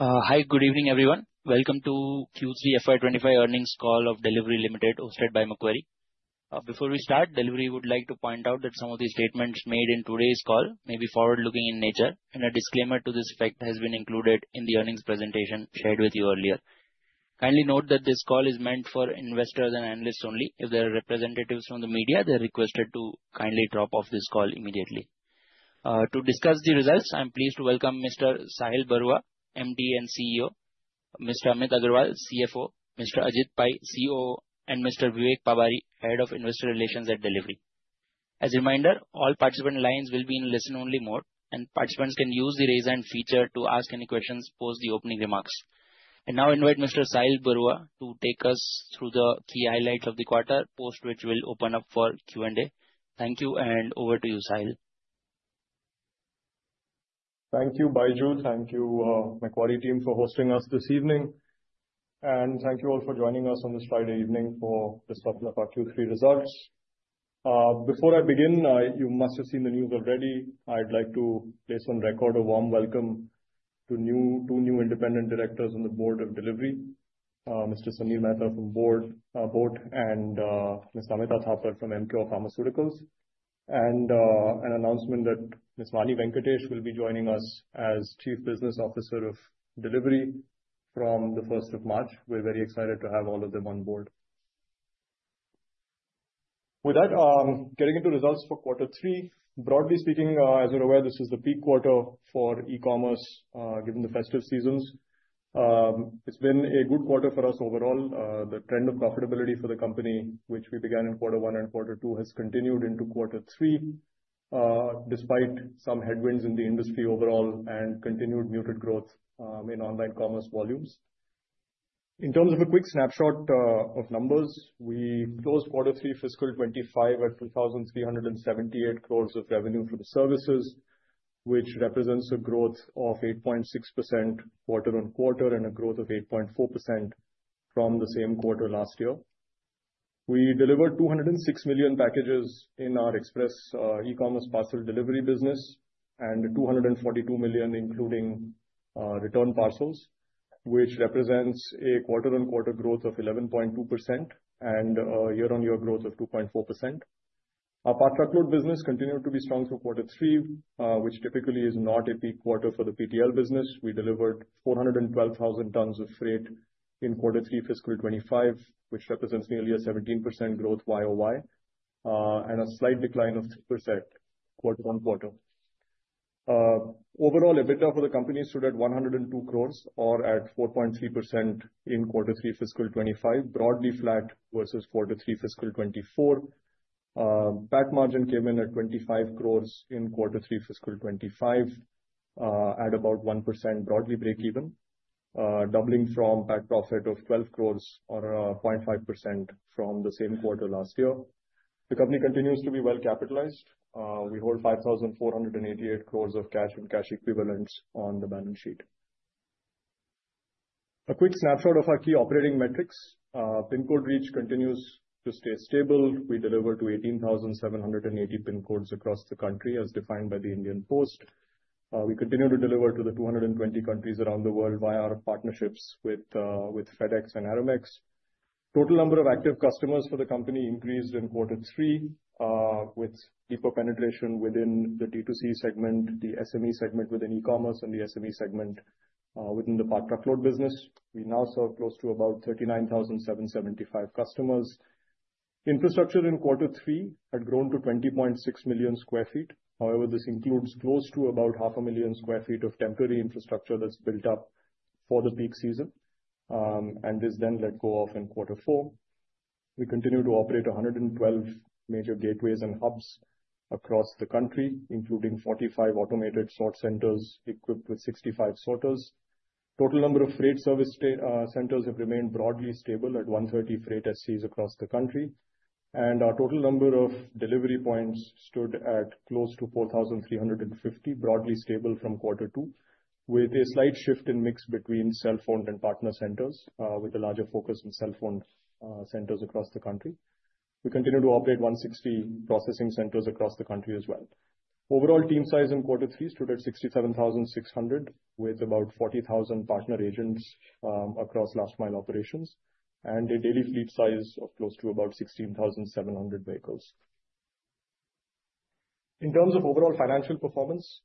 Hi, good evening, everyone. Welcome to Q3 FY25 earnings call of Delhivery Limited, hosted by Macquarie. Before we start, Delhivery would like to point out that some of the statements made in today's call may be forward-looking in nature, and a disclaimer to this effect has been included in the earnings presentation shared with you earlier. Kindly note that this call is meant for investors and analysts only. If there are representatives from the media, they're requested to kindly drop off this call immediately. To discuss the results, I'm pleased to welcome Mr. Sahil Barua, MD and CEO; Mr. Amit Agarwal, CFO; Mr. Ajit Pai, COO; and Mr. Vivek Pabari, Head of Investor Relations at Delhivery. As a reminder, all participant lines will be in listen-only mode, and participants can use the raise hand feature to ask any questions, post the opening remarks. And now, I invite Mr. Sahil Barua to take us through the key highlights of the quarter, post which we'll open up for Q&A. Thank you, and over to you, Sahil. Thank you, Baiju. Thank you, Macquarie team, for hosting us this evening, and thank you all for joining us on this Friday evening for discussing our Q3 results. Before I begin, you must have seen the news already. I'd like to place on record a warm welcome to two new independent directors on the board of Delhivery: Mr. Sandeep Mehta and Ms. Namita Thapar from Emcure Pharmaceuticals, and an announcement that Ms. Vani Venkatesh will be joining us as Chief Business Officer of Delhivery from the 1st of March. We're very excited to have all of them on board. With that, getting into results for Q3. Broadly speaking, as you're aware, this is the peak quarter for e-commerce, given the festive seasons. It's been a good quarter for us overall. The trend of profitability for the company, which we began in Q1 and Q2, has continued into Q3, despite some headwinds in the industry overall and continued muted growth in online commerce volumes. In terms of a quick snapshot of numbers, we closed Q3 fiscal 2025 at 2,378 crores of revenue for the services, which represents a growth of 8.6% quarter on quarter and a growth of 8.4% from the same quarter last year. We delivered 206 million packages in our express e-commerce parcel delivery business and 242 million, including return parcels, which represents a quarter on quarter growth of 11.2% and a year-on-year growth of 2.4%. Our Part Truckload business continued to be strong through Q3, which typically is not a peak quarter for the PTL business. We delivered 412,000 tons of freight in Q3 fiscal 2025, which represents nearly a 17% growth YOY and a slight decline of 3% quarter on quarter. Overall, EBITDA for the company stood at 102 crores, or at 4.3% in Q3 fiscal 2025, broadly flat versus Q3 fiscal 2024. PAT margin came in at 25 crores in Q3 fiscal 2025, at about 1% broadly break-even, doubling from PAT profit of 12 crores, or 0.5% from the same quarter last year. The company continues to be well-capitalized. We hold 5,488 crores of cash and cash equivalents on the balance sheet. A quick snapshot of our key operating metrics: Pin Code reach continues to stay stable. We deliver to 18,780 Pin Codes across the country, as defined by the India Post. We continue to deliver to the 220 countries around the world via our partnerships with FedEx and Aramex. Total number of active customers for the company increased in Q3, with deeper penetration within the D2C segment, the SME segment within e-commerce, and the SME segment within the part truckload business. We now serve close to about 39,775 customers. Infrastructure in Q3 had grown to 20.6 million sq ft. However, this includes close to about 500,000 sq ft of temporary infrastructure that's built up for the peak season, and this then let go off in Q4. We continue to operate 112 major gateways and hubs across the country, including 45 automated sort centers equipped with 65 sorters. Total number of freight service centers have remained broadly stable at 130 freight SCs across the country. Our total number of delivery points stood at close to 4,350, broadly stable from Q2, with a slight shift in mix between self-owned and partner centers, with a larger focus on self-owned centers across the country. We continue to operate 160 processing centers across the country as well. Overall, team size in Q3 stood at 67,600, with about 40,000 partner agents across last-mile operations, and a daily fleet size of close to about 16,700 vehicles. In terms of overall financial performance,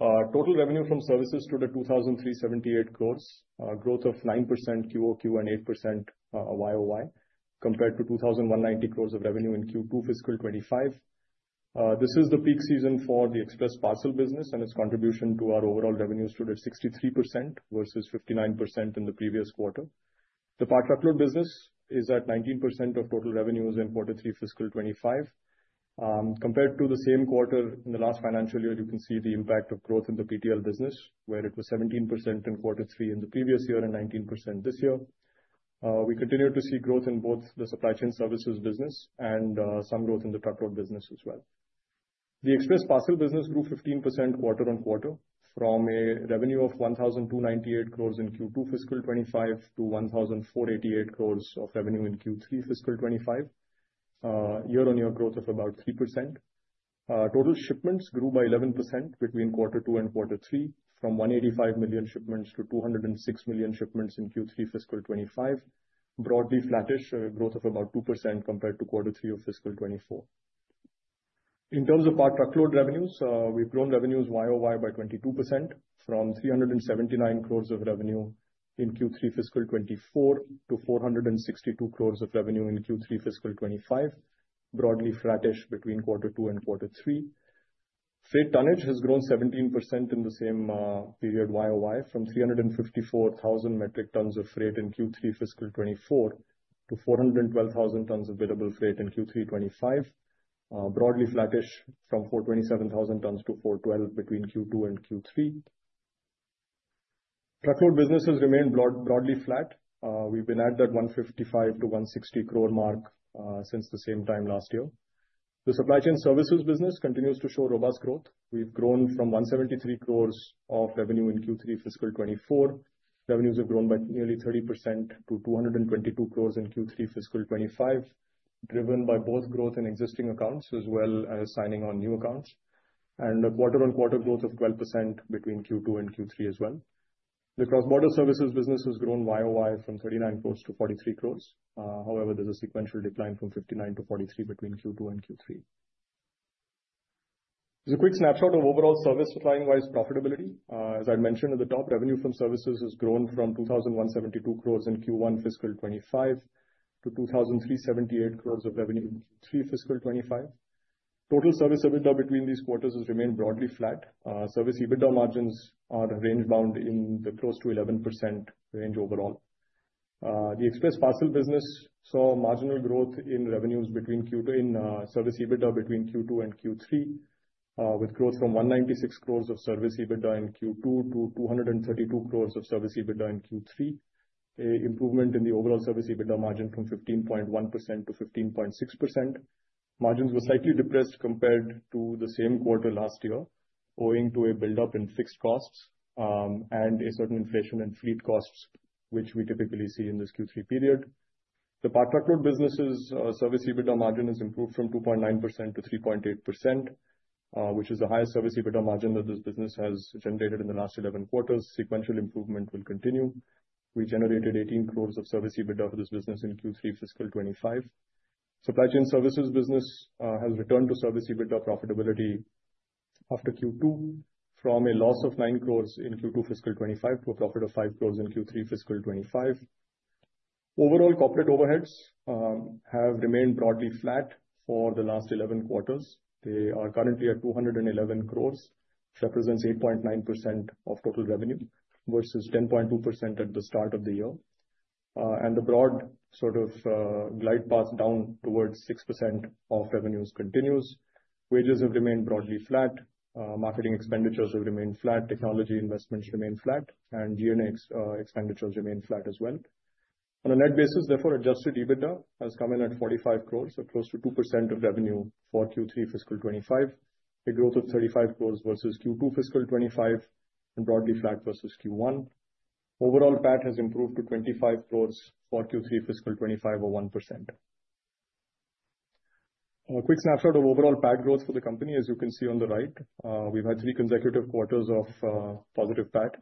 total revenue from services stood at 2,378 crores, a growth of 9% QOQ and 8% YOY, compared to 2,190 crores of revenue in Q2 fiscal 25. This is the peak season for the express parcel business, and its contribution to our overall revenue stood at 63% versus 59% in the previous quarter. The part truckload business is at 19% of total revenues in Q3 fiscal 25. Compared to the same quarter in the last financial year, you can see the impact of growth in the PTL business, where it was 17% in Q3 in the previous year and 19% this year. We continue to see growth in both the supply chain services business and some growth in the truckload business as well. The express parcel business grew 15% quarter on quarter, from a revenue of 1,298 crores in Q2 fiscal 25 to 1,488 crores of revenue in Q3 fiscal 25, year-on-year growth of about 3%. Total shipments grew by 11% between Q2 and Q3, from 185 million shipments to 206 million shipments in Q3 fiscal 25, broadly flattish, a growth of about 2% compared to Q3 of fiscal 24. In terms of part truckload revenues, we've grown revenues YOY by 22%, from 379 crores of revenue in Q3 fiscal 2024 to 462 crores of revenue in Q3 fiscal 2025, broadly flattish between Q2 and Q3. Freight tonnage has grown 17% in the same period YOY, from 354,000 metric tons of freight in Q3 fiscal 2024 to 412,000 tons of billable freight in Q3 2025, broadly flattish, from 427,000 tons to 412,000 between Q2 and Q3. Truckload business has remained broadly flat. We've been at that 155-160 crore mark since the same time last year. The supply chain services business continues to show robust growth. We've grown from 173 crores of revenue in Q3 fiscal 2024. Revenues have grown by nearly 30% to 222 crores in Q3 fiscal 2025, driven by both growth in existing accounts as well as signing on new accounts, and a quarter-on-quarter growth of 12% between Q2 and Q3 as well. The cross-border services business has grown YOY from 39 crores to 43 crores. However, there's a sequential decline from 59 to 43 between Q2 and Q3. There's a quick snapshot of overall service supplying-wise profitability. As I'd mentioned at the top, revenue from services has grown from 2,172 crores in Q1 fiscal 2025 to 2,378 crores of revenue in Q3 fiscal 2025. Total service EBITDA between these quarters has remained broadly flat. Service EBITDA margins are range-bound in the close to 11% range overall. The express parcel business saw marginal growth in revenues and service EBITDA between Q2 and Q3, with growth from 196 crores of service EBITDA in Q2 to 232 crores of service EBITDA in Q3, an improvement in the overall service EBITDA margin from 15.1% to 15.6%. Margins were slightly depressed compared to the same quarter last year, owing to a build-up in fixed costs and a certain inflation in fleet costs, which we typically see in this Q3 period. The part truckload business's service EBITDA margin has improved from 2.9% to 3.8%, which is the highest service EBITDA margin that this business has generated in the last 11 quarters. Sequential improvement will continue. We generated 18 crores of service EBITDA for this business in Q3 fiscal 25. Supply Chain Services business has returned to Service EBITDA profitability after Q2, from a loss of nine crores in Q2 fiscal 2025 to a profit of five crores in Q3 fiscal 2025. Overall, corporate overheads have remained broadly flat for the last 11 quarters. They are currently at 211 crores, which represents 8.9% of total revenue versus 10.2% at the start of the year. And the broad sort of glide path down towards 6% of revenues continues. Wages have remained broadly flat. Marketing expenditures have remained flat. Technology investments remain flat, and G&A expenditures remain flat as well. On a net basis, therefore, adjusted EBITDA has come in at 45 crores, or close to 2% of revenue for Q3 fiscal 2025, a growth of 35 crores versus Q2 fiscal 2025, and broadly flat versus Q1. Overall, PAT has improved to 25 crores for Q3 fiscal 2025 of 1%. A quick snapshot of overall PAT growth for the company, as you can see on the right. We've had three consecutive quarters of positive PAT,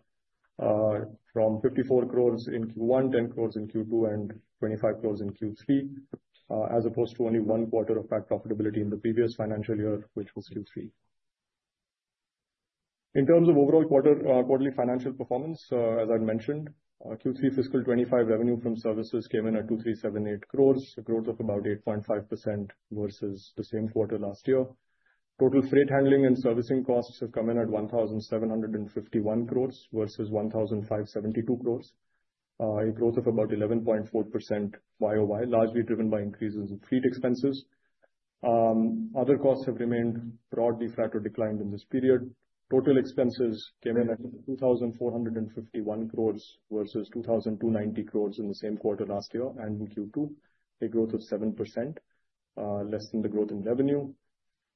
from 54 crores in Q1, 10 crores in Q2, and 25 crores in Q3, as opposed to only one quarter of PAT profitability in the previous financial year, which was Q3. In terms of overall quarterly financial performance, as I'd mentioned, Q3 fiscal 25 revenue from services came in at 2,378 crores, a growth of about 8.5% versus the same quarter last year. Total freight handling and servicing costs have come in at 1,751 crores versus 1,572 crores, a growth of about 11.4% YOY, largely driven by increases in fleet expenses. Other costs have remained broadly flat or declined in this period. Total expenses came in at 2,451 crores versus 2,290 crores in the same quarter last year and in Q2, a growth of 7%, less than the growth in revenue,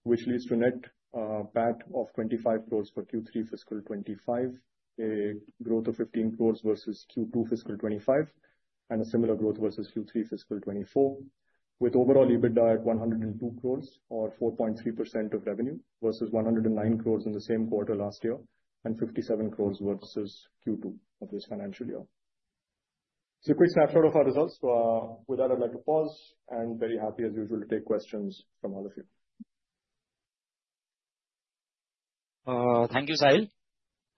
which leads to net PAT of 25 crores for Q3 fiscal 25, a growth of 15 crores versus Q2 fiscal 25, and a similar growth versus Q3 fiscal 24, with overall EBITDA at 102 crores, or 4.3% of revenue, versus 109 crores in the same quarter last year and 57 crores versus Q2 of this financial year. It's a quick snapshot of our results. With that, I'd like to pause and very happy, as usual, to take questions from all of you. Thank you, Sahil.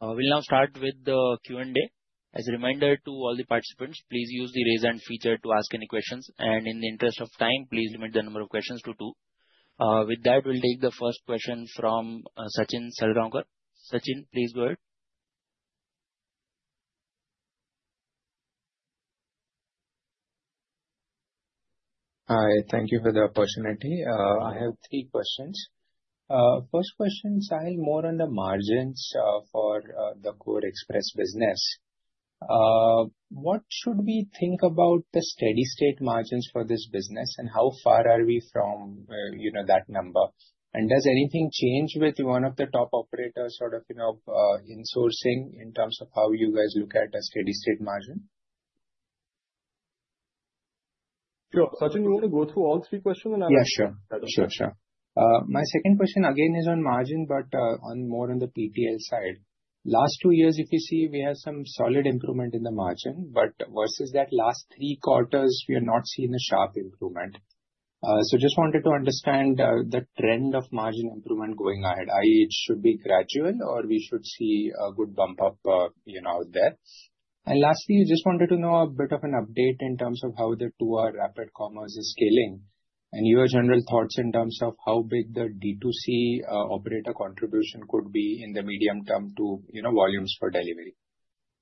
We'll now start with the Q&A. As a reminder to all the participants, please use the raise hand feature to ask any questions. In the interest of time, please limit the number of questions to two. With that, we'll take the first question from Sachin Salgaonkar. Sachin, please go ahead. Hi. Thank you for the opportunity. I have three questions. First question, Sahil, more on the margins for the core express business. What should we think about the steady-state margins for this business, and how far are we from that number? And does anything change with one of the top operators sort of in-sourcing in terms of how you guys look at a steady-state margin? Sure. Sachin, do you want to go through all three questions and I'll answer? Yeah, sure. Sure, sure. My second question again is on margin, but more on the PTL side. Last two years, if you see, we had some solid improvement in the margin, but versus that last three quarters, we are not seeing a sharp improvement. So just wanted to understand the trend of margin improvement going ahead. Should it be gradual, or we should see a good bump up out there? And lastly, we just wanted to know a bit of an update in terms of how the D2C rapid commerce is scaling, and your general thoughts in terms of how big the D2C operator contribution could be in the medium term to volumes for Delhivery.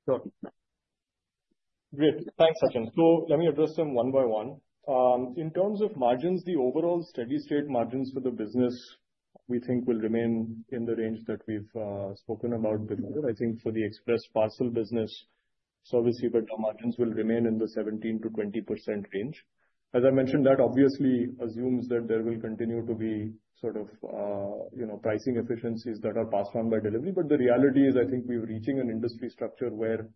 Sure. Great. Thanks, Sachin. So let me address them one by one. In terms of margins, the overall steady-state margins for the business, we think, will remain in the range that we've spoken about before. I think for the express parcel business, service EBITDA margins will remain in the 17%-20% range. As I mentioned, that obviously assumes that there will continue to be sort of pricing efficiencies that are passed on by delivery. But the reality is, I think we are reaching an industry structure where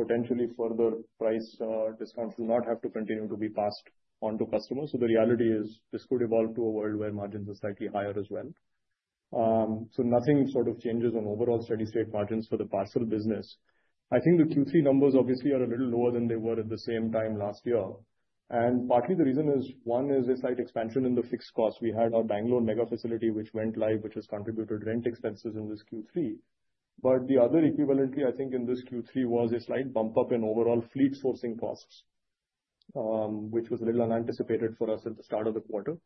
potentially further price discounts do not have to continue to be passed on to customers. So the reality is this could evolve to a world where margins are slightly higher as well. So nothing sort of changes on overall steady-state margins for the parcel business. I think the Q3 numbers obviously are a little lower than they were at the same time last year. And partly the reason is one is a slight expansion in the fixed costs. We had our Bangalore mega facility which went live, which has contributed rent expenses in this Q3. But the other equivalently, I think, in this Q3 was a slight bump up in overall fleet sourcing costs, which was a little unanticipated for us at the start of the quarter.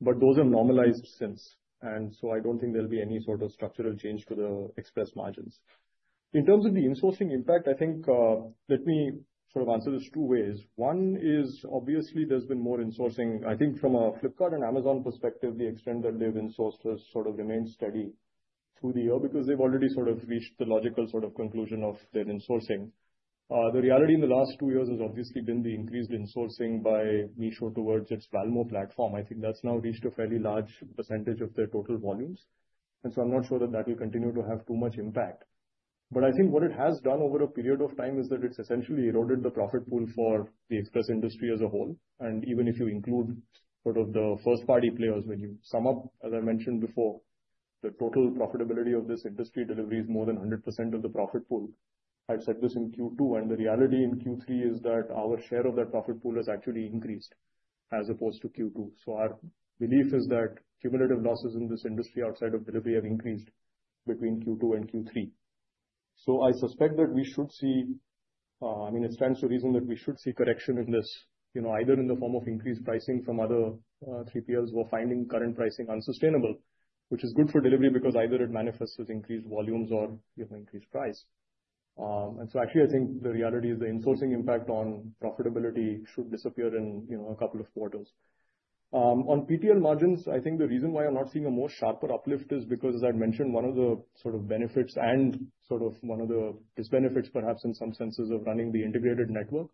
But those have normalized since. And so I don't think there'll be any sort of structural change to the express margins. In terms of the in-sourcing impact, I think let me sort of answer this two ways. One is obviously there's been more in-sourcing. I think from a Flipkart and Amazon perspective, the extent that they've in-sourced has sort of remained steady through the year because they've already sort of reached the logical sort of conclusion of their in-sourcing. The reality in the last two years has obviously been the increased in-sourcing by Meesho towards its Valmo platform. I think that's now reached a fairly large percentage of their total volumes. I'm not sure that that will continue to have too much impact. But I think what it has done over a period of time is that it's essentially eroded the profit pool for the express industry as a whole. Even if you include sort of the first-party players, when you sum up, as I mentioned before, the total profitability of this industry, Delhivery, is more than 100% of the profit pool. I've said this in Q2, and the reality in Q3 is that our share of that profit pool has actually increased as opposed to Q2. Our belief is that cumulative losses in this industry outside of Delhivery have increased between Q2 and Q3. I suspect that we should see. I mean, it stands to reason that we should see correction in this, either in the form of increased pricing from other 3PLs who are finding current pricing unsustainable, which is good for Delhivery because either it manifests as increased volumes or increased price. Actually, I think the reality is the in-sourcing impact on profitability should disappear in a couple of quarters. On PTL margins, I think the reason why I'm not seeing a more sharper uplift is because, as I'd mentioned, one of the sort of benefits and sort of one of the disbenefits, perhaps in some senses, of running the integrated network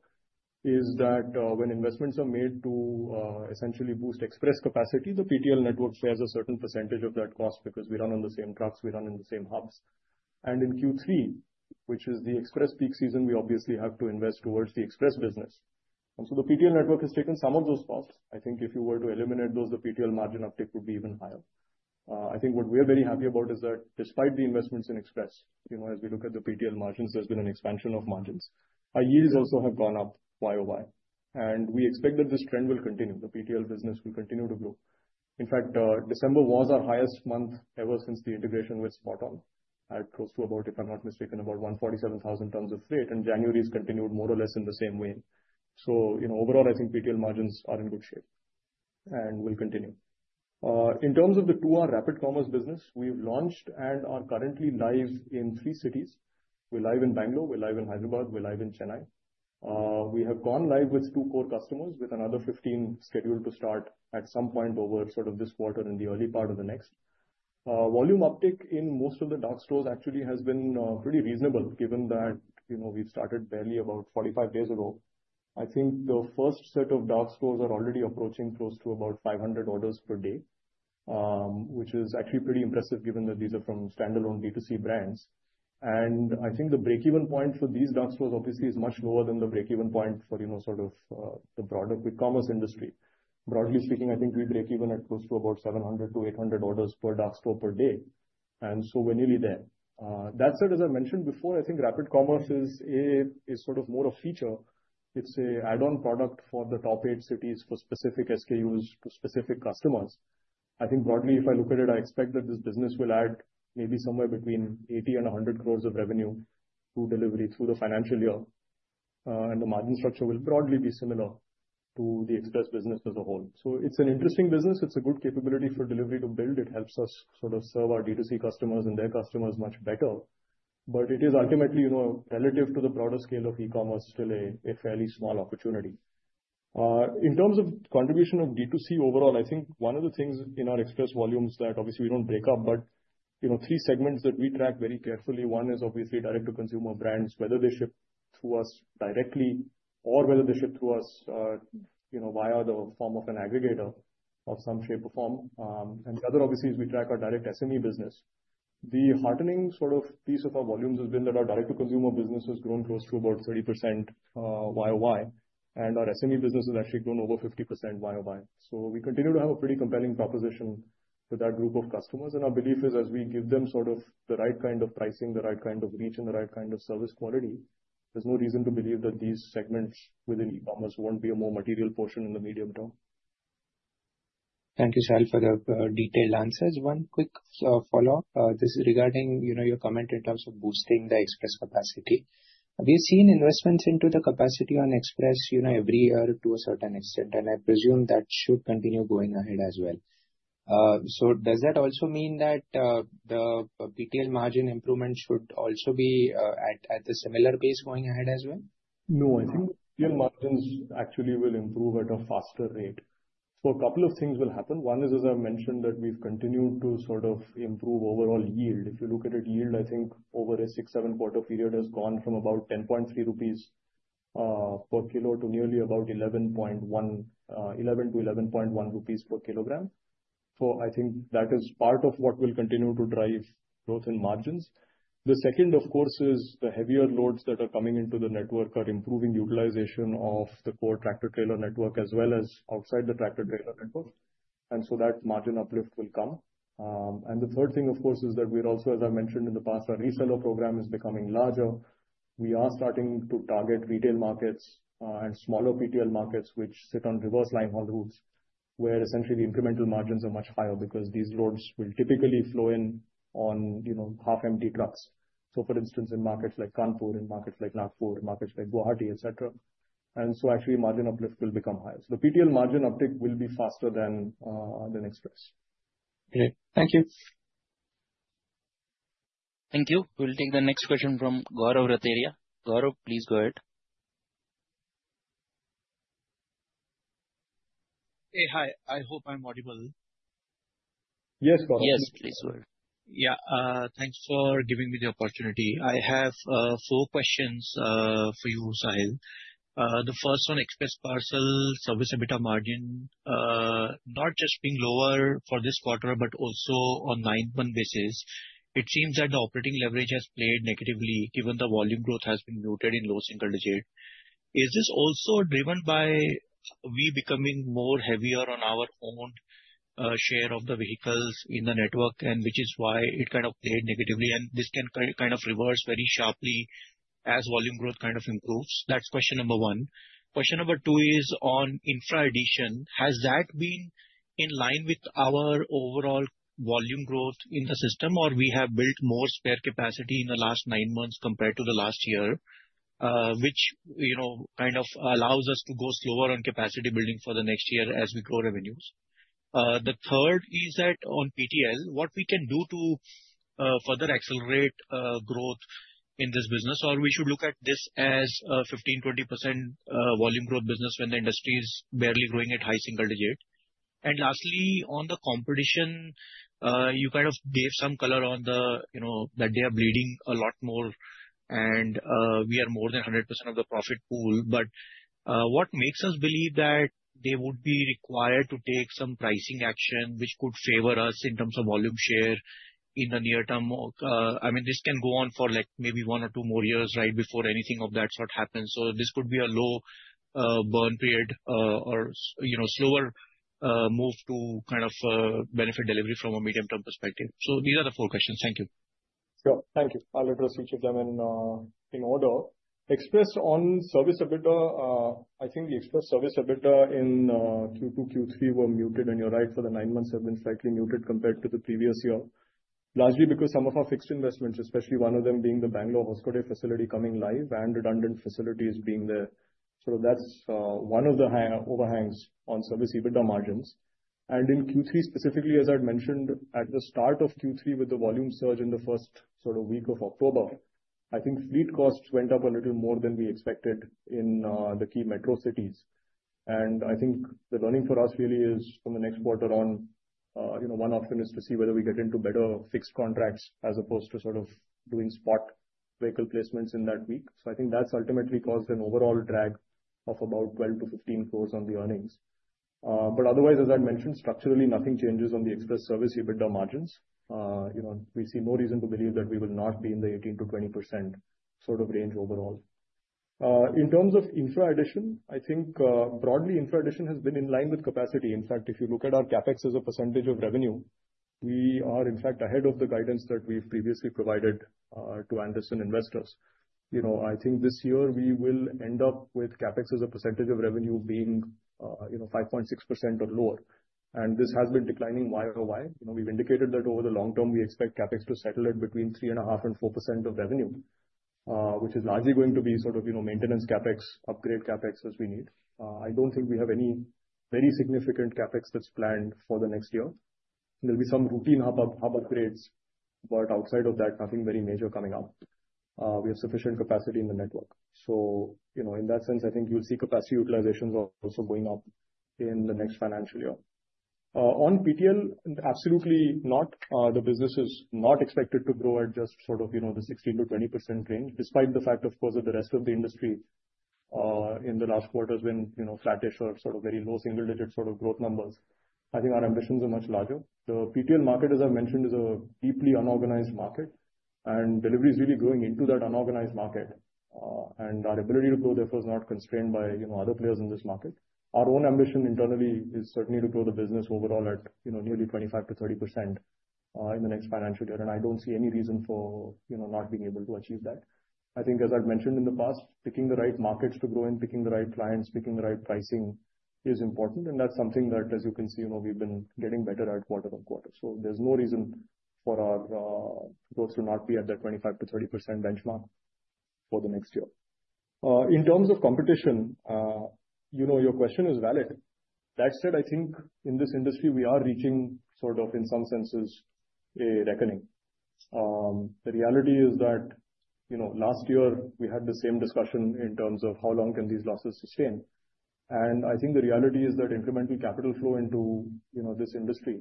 is that when investments are made to essentially boost express capacity, the PTL network shares a certain percentage of that cost because we run on the same trucks, we run in the same hubs. In Q3, which is the express peak season, we obviously have to invest towards the express business. So the PTL network has taken some of those costs. I think if you were to eliminate those, the PTL margin uptake would be even higher. I think what we are very happy about is that despite the investments in express, as we look at the PTL margins, there's been an expansion of margins. Our yields also have gone up YOY. We expect that this trend will continue. The PTL business will continue to grow. In fact, December was our highest month ever since the integration with SpotOn. It goes to about, if I'm not mistaken, about 147,000 tons of freight. January has continued more or less in the same vein. So overall, I think PTL margins are in good shape and will continue. In terms of the two-hour rapid commerce business, we've launched and are currently live in three cities. We're live in Bangalore, we're live in Hyderabad, we're live in Chennai. We have gone live with two core customers, with another 15 scheduled to start at some point over sort of this quarter and the early part of the next. Volume uptake in most of the dark stores actually has been pretty reasonable, given that we've started barely about 45 days ago. I think the first set of dark stores are already approaching close to about 500 orders per day, which is actually pretty impressive given that these are from standalone B2C brands. I think the break-even point for these dark stores, obviously, is much lower than the break-even point for sort of the broader quick commerce industry. Broadly speaking, I think we break even at close to about 700 to 800 orders per dark store per day. And so we're nearly there. That said, as I mentioned before, I think rapid commerce is sort of more a feature. It's an add-on product for the top eight cities for specific SKUs to specific customers. I think broadly, if I look at it, I expect that this business will add maybe somewhere between 80 crore and 100 crore of revenue through delivery through the financial year. And the margin structure will broadly be similar to the express business as a whole. So it's an interesting business. It's a good capability for delivery to build. It helps us sort of serve our D2C customers and their customers much better. But it is ultimately relative to the broader scale of e-commerce still a fairly small opportunity. In terms of contribution of D2C overall, I think one of the things in our express volumes that obviously we don't break up, but three segments that we track very carefully. One is obviously direct-to-consumer brands, whether they ship through us directly or whether they ship through us via the form of an aggregator of some shape or form. And the other obviously is we track our direct SME business. The heartening sort of piece of our volumes has been that our direct-to-consumer business has grown close to about 30% YOY. And our SME business has actually grown over 50% YOY. So we continue to have a pretty compelling proposition with that group of customers. Our belief is as we give them sort of the right kind of pricing, the right kind of reach, and the right kind of service quality, there's no reason to believe that these segments within e-commerce won't be a more material portion in the medium term. Thank you, Sahil, for the detailed answers. One quick follow-up. This is regarding your comment in terms of boosting the express capacity. We have seen investments into the capacity on express every year to a certain extent, and I presume that should continue going ahead as well, so does that also mean that the PTL margin improvement should also be at a similar pace going ahead as well? No, I think PTL margins actually will improve at a faster rate, so a couple of things will happen. One is, as I've mentioned, that we've continued to sort of improve overall yield. If you look at it, yield, I think over a six, seven-quarter period, has gone from about 10.3 rupees per kilo to nearly about 11 to 11.1 rupees per kilogram. So I think that is part of what will continue to drive growth in margins. The second, of course, is the heavier loads that are coming into the network are improving utilization of the core tractor-trailer network as well as outside the tractor-trailer network. And so that margin uplift will come. And the third thing, of course, is that we're also, as I've mentioned in the past, our reseller program is becoming larger. We are starting to target retail markets and smaller PTL markets, which sit on reverse line haul routes, where essentially the incremental margins are much higher because these loads will typically flow in on half-empty trucks. So, for instance, in markets like Kanpur, in markets like Nagpur, in markets like Guwahati, etc. And so actually, margin uplift will become higher. So the PTL margin uptake will be faster than express. Great. Thank you. Thank you. We'll take the next question from Gaurav Rateria. Gaurav, please go ahead. Hey, hi. I hope I'm audible. Yes, Gaurav. Yes, please go ahead. Yeah. Thanks for giving me the opportunity. I have four questions for you, Sahil. The first one, express parcel service EBITDA margin, not just being lower for this quarter, but also on nine-month basis, it seems that the operating leverage has played negatively given the volume growth has been muted in low single digit. Is this also driven by we becoming more heavier on our own share of the vehicles in the network, which is why it kind of played negatively? This can kind of reverse very sharply as volume growth kind of improves. That's question number one. Question number two is on infra addition. Has that been in line with our overall volume growth in the system, or we have built more spare capacity in the last nine months compared to the last year, which kind of allows us to go slower on capacity building for the next year as we grow revenues? The third is that on PTL, what we can do to further accelerate growth in this business, or we should look at this as a 15%-20% volume growth business when the industry is barely growing at high single digit? Lastly, on the competition, you kind of gave some color on that they are bleeding a lot more and we are more than 100% of the profit pool. But what makes us believe that they would be required to take some pricing action which could favor us in terms of volume share in the near term? I mean, this can go on for maybe one or two more years right before anything of that sort happens. So this could be a low burn period or slower move to kind of benefit Delhivery from a medium-term perspective. So these are the four questions. Thank you. Sure. Thank you. I'll address each of them in order. Express, on Service EBITDA, I think the Express Service EBITDA in Q2, Q3 were muted, and you're right, for the nine months have been slightly muted compared to the previous year, largely because some of our fixed investments, especially one of them being the Bangalore Hoskote facility coming live and redundant facilities being there. So that's one of the overhangs on Service EBITDA margins. In Q3 specifically, as I'd mentioned at the start of Q3 with the volume surge in the first sort of week of October, I think fleet costs went up a little more than we expected in the key metro cities. I think the learning for us really is from the next quarter on, one option is to see whether we get into better fixed contracts as opposed to sort of doing spot vehicle placements in that week. I think that's ultimately caused an overall drag of about 12-15 crores on the earnings. Otherwise, as I'd mentioned, structurally, nothing changes on the express service EBITDA margins. We see no reason to believe that we will not be in the 18%-20% sort of range overall. In terms of infra addition, I think broadly infra addition has been in line with capacity. In fact, if you look at our CapEx as a percentage of revenue, we are in fact ahead of the guidance that we've previously provided to investors. I think this year we will end up with CapEx as a percentage of revenue being 5.6% or lower, and this has been declining YOY. We've indicated that over the long term, we expect CapEx to settle at between 3.5% and 4% of revenue, which is largely going to be sort of maintenance CapEx, upgrade CapEx as we need. I don't think we have any very significant CapEx that's planned for the next year. There'll be some routine hub upgrades, but outside of that, nothing very major coming up. We have sufficient capacity in the network, so in that sense, I think you'll see capacity utilizations also going up in the next financial year. On PTL, absolutely not. The business is not expected to grow at just sort of the 16%-20% range, despite the fact, of course, that the rest of the industry in the last quarter has been flattish or sort of very low single-digit sort of growth numbers. I think our ambitions are much larger. The PTL market, as I've mentioned, is a deeply unorganized market. And Delhivery is really growing into that unorganized market. And our ability to grow therefore is not constrained by other players in this market. Our own ambition internally is certainly to grow the business overall at nearly 25%-30% in the next financial year. And I don't see any reason for not being able to achieve that. I think, as I've mentioned in the past, picking the right markets to grow in, picking the right clients, picking the right pricing is important. And that's something that, as you can see, we've been getting better at quarter on quarter. So there's no reason for our growth to not be at that 25%-30% benchmark for the next year. In terms of competition, your question is valid. That said, I think in this industry, we are reaching sort of, in some senses, a reckoning. The reality is that last year, we had the same discussion in terms of how long can these losses sustain. And I think the reality is that incremental capital flow into this industry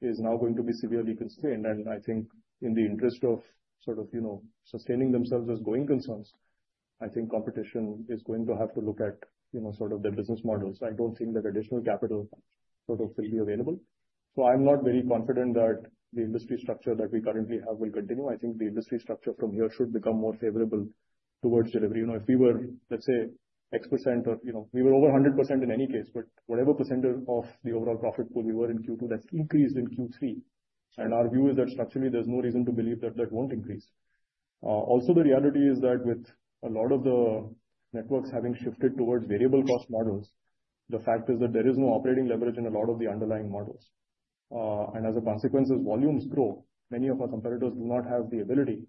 is now going to be severely constrained. And I think in the interest of sort of sustaining themselves as going concerns, I think competition is going to have to look at sort of their business models. I don't think that additional capital sort of will be available. So I'm not very confident that the industry structure that we currently have will continue. I think the industry structure from here should become more favorable towards delivery. If we were, let's say, X%, or we were over 100% in any case, but whatever percentage of the overall profit pool we were in Q2, that's increased in Q3. And our view is that structurally, there's no reason to believe that that won't increase. Also, the reality is that with a lot of the networks having shifted towards variable cost models, the fact is that there is no operating leverage in a lot of the underlying models. And as a consequence, as volumes grow, many of our competitors do not have the ability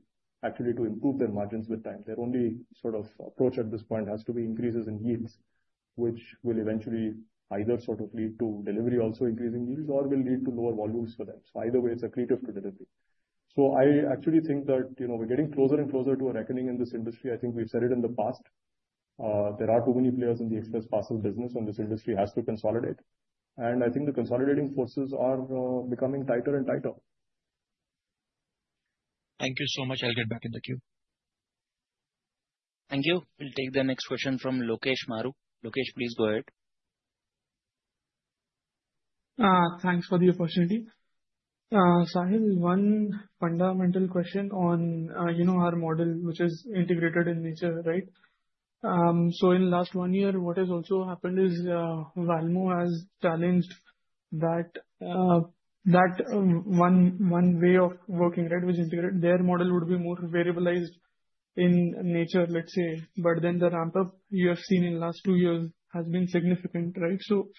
actually to improve their margins with time. Their only sort of approach at this point has to be increases in yields, which will eventually either sort of lead to Delhivery also increasing yields or will lead to lower volumes for them. So either way, it's a credit to Delhivery. So I actually think that we're getting closer and closer to a reckoning in this industry. I think we've said it in the past. There are too many players in the express parcel business, and this industry has to consolidate. And I think the consolidating forces are becoming tighter and tighter. Thank you so much. I'll get back in the queue. Thank you. We'll take the next question from Lokesh Maru. Lokesh, please go ahead. Thanks for the opportunity. Sahil, one fundamental question on our model, which is integrated in nature, right? So in the last one year, what has also happened is Valmo has challenged that one way of working, right, which is integrated. Their model would be more variabilized in nature, let's say. But then the ramp-up you have seen in the last two years has been significant, right? So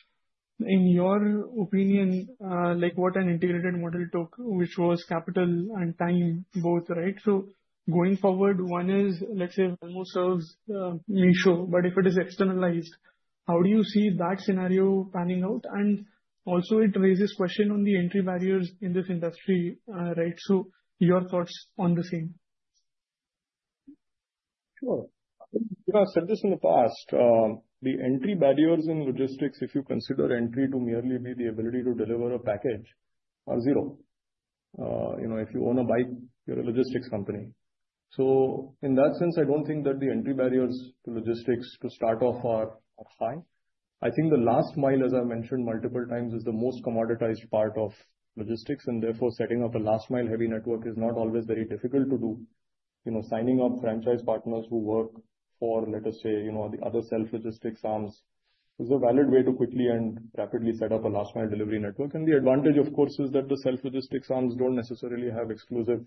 in your opinion, what an integrated model took, which was capital and time both, right? So going forward, one is, let's say, Valmo serves Meesho, but if it is externalized, how do you see that scenario panning out? And also, it raises questions on the entry barriers in this industry, right? So your thoughts on the same. Sure. I've said this in the past. The entry barriers in logistics, if you consider entry to merely be the ability to deliver a package, are zero. If you own a bike, you're a logistics company. So in that sense, I don't think that the entry barriers to logistics to start off are high. I think the last mile, as I've mentioned multiple times, is the most commoditized part of logistics. And therefore, setting up a last-mile heavy network is not always very difficult to do. Signing up franchise partners who work for, let us say, the other self-logistics arms is a valid way to quickly and rapidly set up a last-mile delivery network. And the advantage, of course, is that the self-logistics arms don't necessarily have exclusive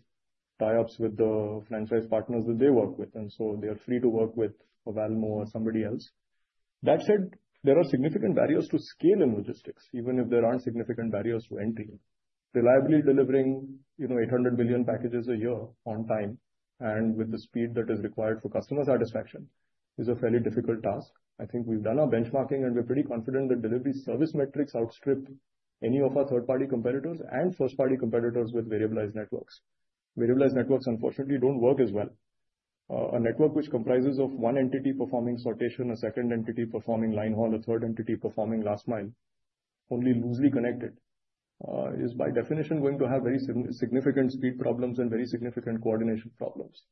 tie-ups with the franchise partners that they work with. And so they are free to work with Valmo or somebody else. That said, there are significant barriers to scale in logistics, even if there aren't significant barriers to entry. Reliably delivering 800 million packages a year on time and with the speed that is required for customer satisfaction is a fairly difficult task. I think we've done our benchmarking, and we're pretty confident that delivery service metrics outstrip any of our third-party competitors and first-party competitors with variabilized networks. Variabilized networks, unfortunately, don't work as well. A network which comprises of one entity performing sortation, a second entity performing line haul, a third entity performing last mile, only loosely connected, is by definition going to have very significant speed problems and very significant coordination problems.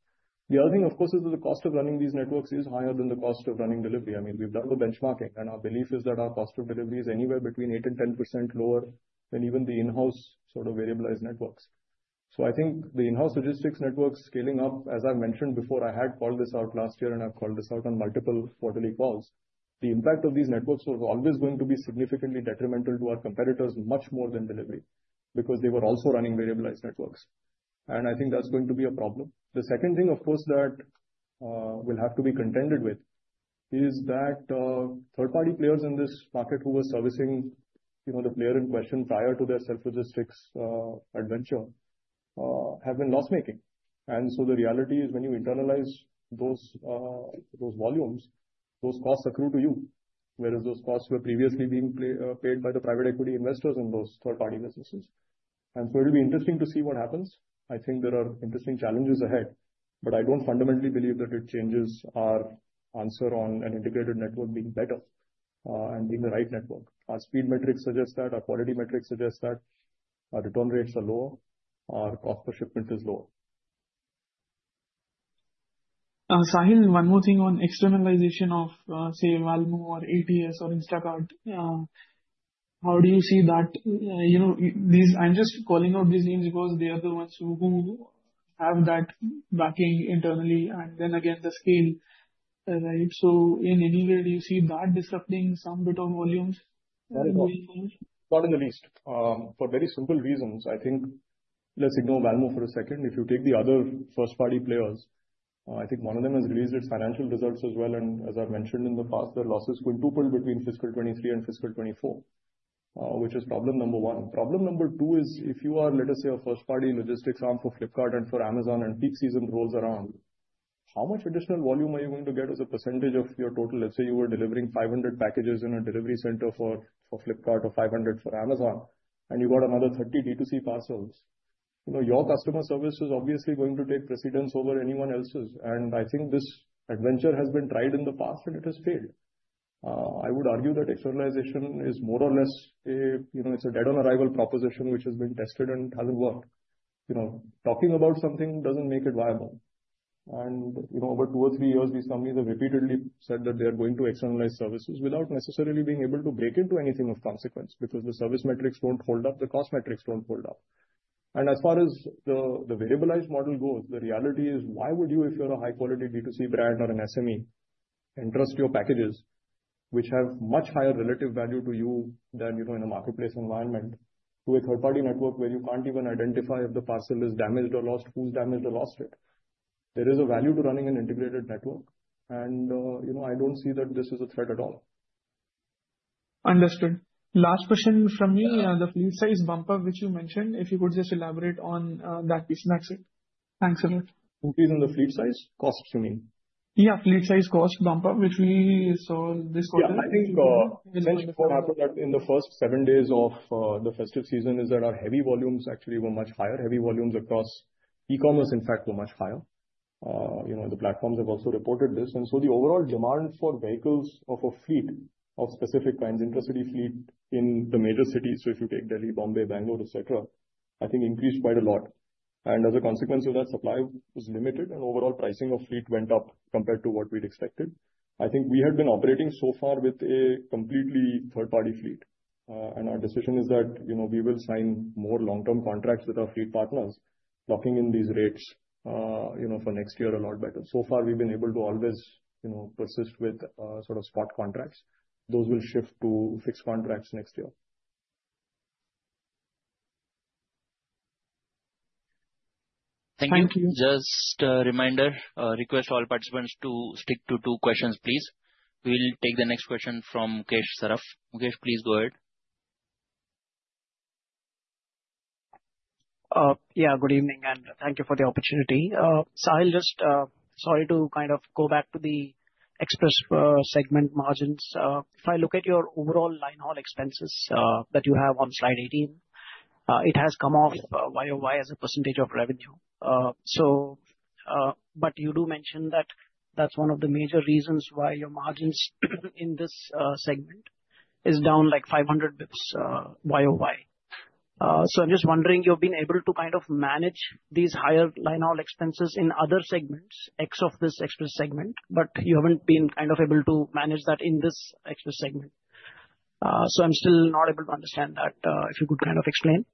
The other thing, of course, is that the cost of running these networks is higher than the cost of running delivery. I mean, we've done the benchmarking, and our belief is that our cost of delivery is anywhere between 8% and 10% lower than even the in-house sort of variabilized networks. So I think the in-house logistics networks scaling up, as I've mentioned before, I had called this out last year, and I've called this out on multiple quarterly calls. The impact of these networks was always going to be significantly detrimental to our competitors much more than Delhivery because they were also running variabilized networks. And I think that's going to be a problem. The second thing, of course, that we'll have to be contended with is that third-party players in this market who were servicing the player in question prior to their self-logistics adventure have been loss-making. And so the reality is when you internalize those volumes, those costs accrue to you, whereas those costs were previously being paid by the private equity investors in those third-party businesses. And so it'll be interesting to see what happens. I think there are interesting challenges ahead, but I don't fundamentally believe that it changes our answer on an integrated network being better and being the right network. Our speed metrics suggest that, our quality metrics suggest that our return rates are lower, our cost per shipment is lower. Sahil, one more thing on externalization of, say, Valmo or ATS or Instacart. How do you see that? I'm just calling out these names because they are the ones who have that backing internally. And then again, the scale, right? So in any way, do you see that disrupting some bit of volumes? Not in the least. For very simple reasons. I think let's ignore Valmo for a second. If you take the other first-party players, I think one of them has released its financial results as well. As I've mentioned in the past, their losses could be doubled between fiscal 2023 and fiscal 2024, which is problem number one. Problem number two is if you are, let us say, a first-party logistics arm for Flipkart and for Amazon and peak season rolls around, how much additional volume are you going to get as a percentage of your total? Let's say you were delivering 500 packages in a delivery center for Flipkart or 500 for Amazon, and you got another 30 D2C parcels. Your customer service is obviously going to take precedence over anyone else's. I think this adventure has been tried in the past, and it has failed. I would argue that externalization is more or less a dead-on-arrival proposition which has been tested and hasn't worked. Talking about something doesn't make it viable. Over two or three years, these companies have repeatedly said that they are going to externalize services without necessarily being able to break into anything of consequence because the service metrics don't hold up, the cost metrics don't hold up. As far as the variabilized model goes, the reality is why would you, if you're a high-quality D2C brand or an SME, entrust your packages, which have much higher relative value to you than in a marketplace environment, to a third-party network where you can't even identify if the parcel is damaged or lost, who's damaged or lost it? There is a value to running an integrated network, and I don't see that this is a threat at all. Understood. Last question from me. The fleet size bump-up, which you mentioned, if you could just elaborate on that piece. That's it. Thanks a lot. Increase in the fleet size? Costs, you mean? Yeah, fleet size cost bump-up, which we saw this quarter. Yeah, I think in the first seven days of the festive season, that our heavy volumes actually were much higher. Heavy volumes across e-commerce, in fact, were much higher. The platforms have also reported this, and so the overall demand for vehicles of a fleet of specific kinds, intracity fleet in the major cities, so if you take Delhi, Bombay, Bangalore, etc., I think increased quite a lot. And as a consequence of that, supply was limited, and overall pricing of fleet went up compared to what we'd expected. I think we had been operating so far with a completely third-party fleet, and our decision is that we will sign more long-term contracts with our fleet partners, locking in these rates for next year a lot better. So far, we've been able to always persist with sort of spot contracts. Those will shift to fixed contracts next year. Thank you. Just a reminder, request all participants to stick to two questions, please. We'll take the next question from Mukesh Saraf. Mukesh, please go ahead. Yeah, good evening, and thank you for the opportunity. Sahil, just sorry to kind of go back to the express segment margins. If I look at your overall line haul expenses that you have on slide 18, it has come off YOY as a percentage of revenue. But you do mention that that's one of the major reasons why your margins in this segment is down like 500 basis points YOY. So I'm just wondering, you've been able to kind of manage these higher line haul expenses in other segments except this express segment, but you haven't been kind of able to manage that in this express segment. So I'm still not able to understand that. If you could kind of explain.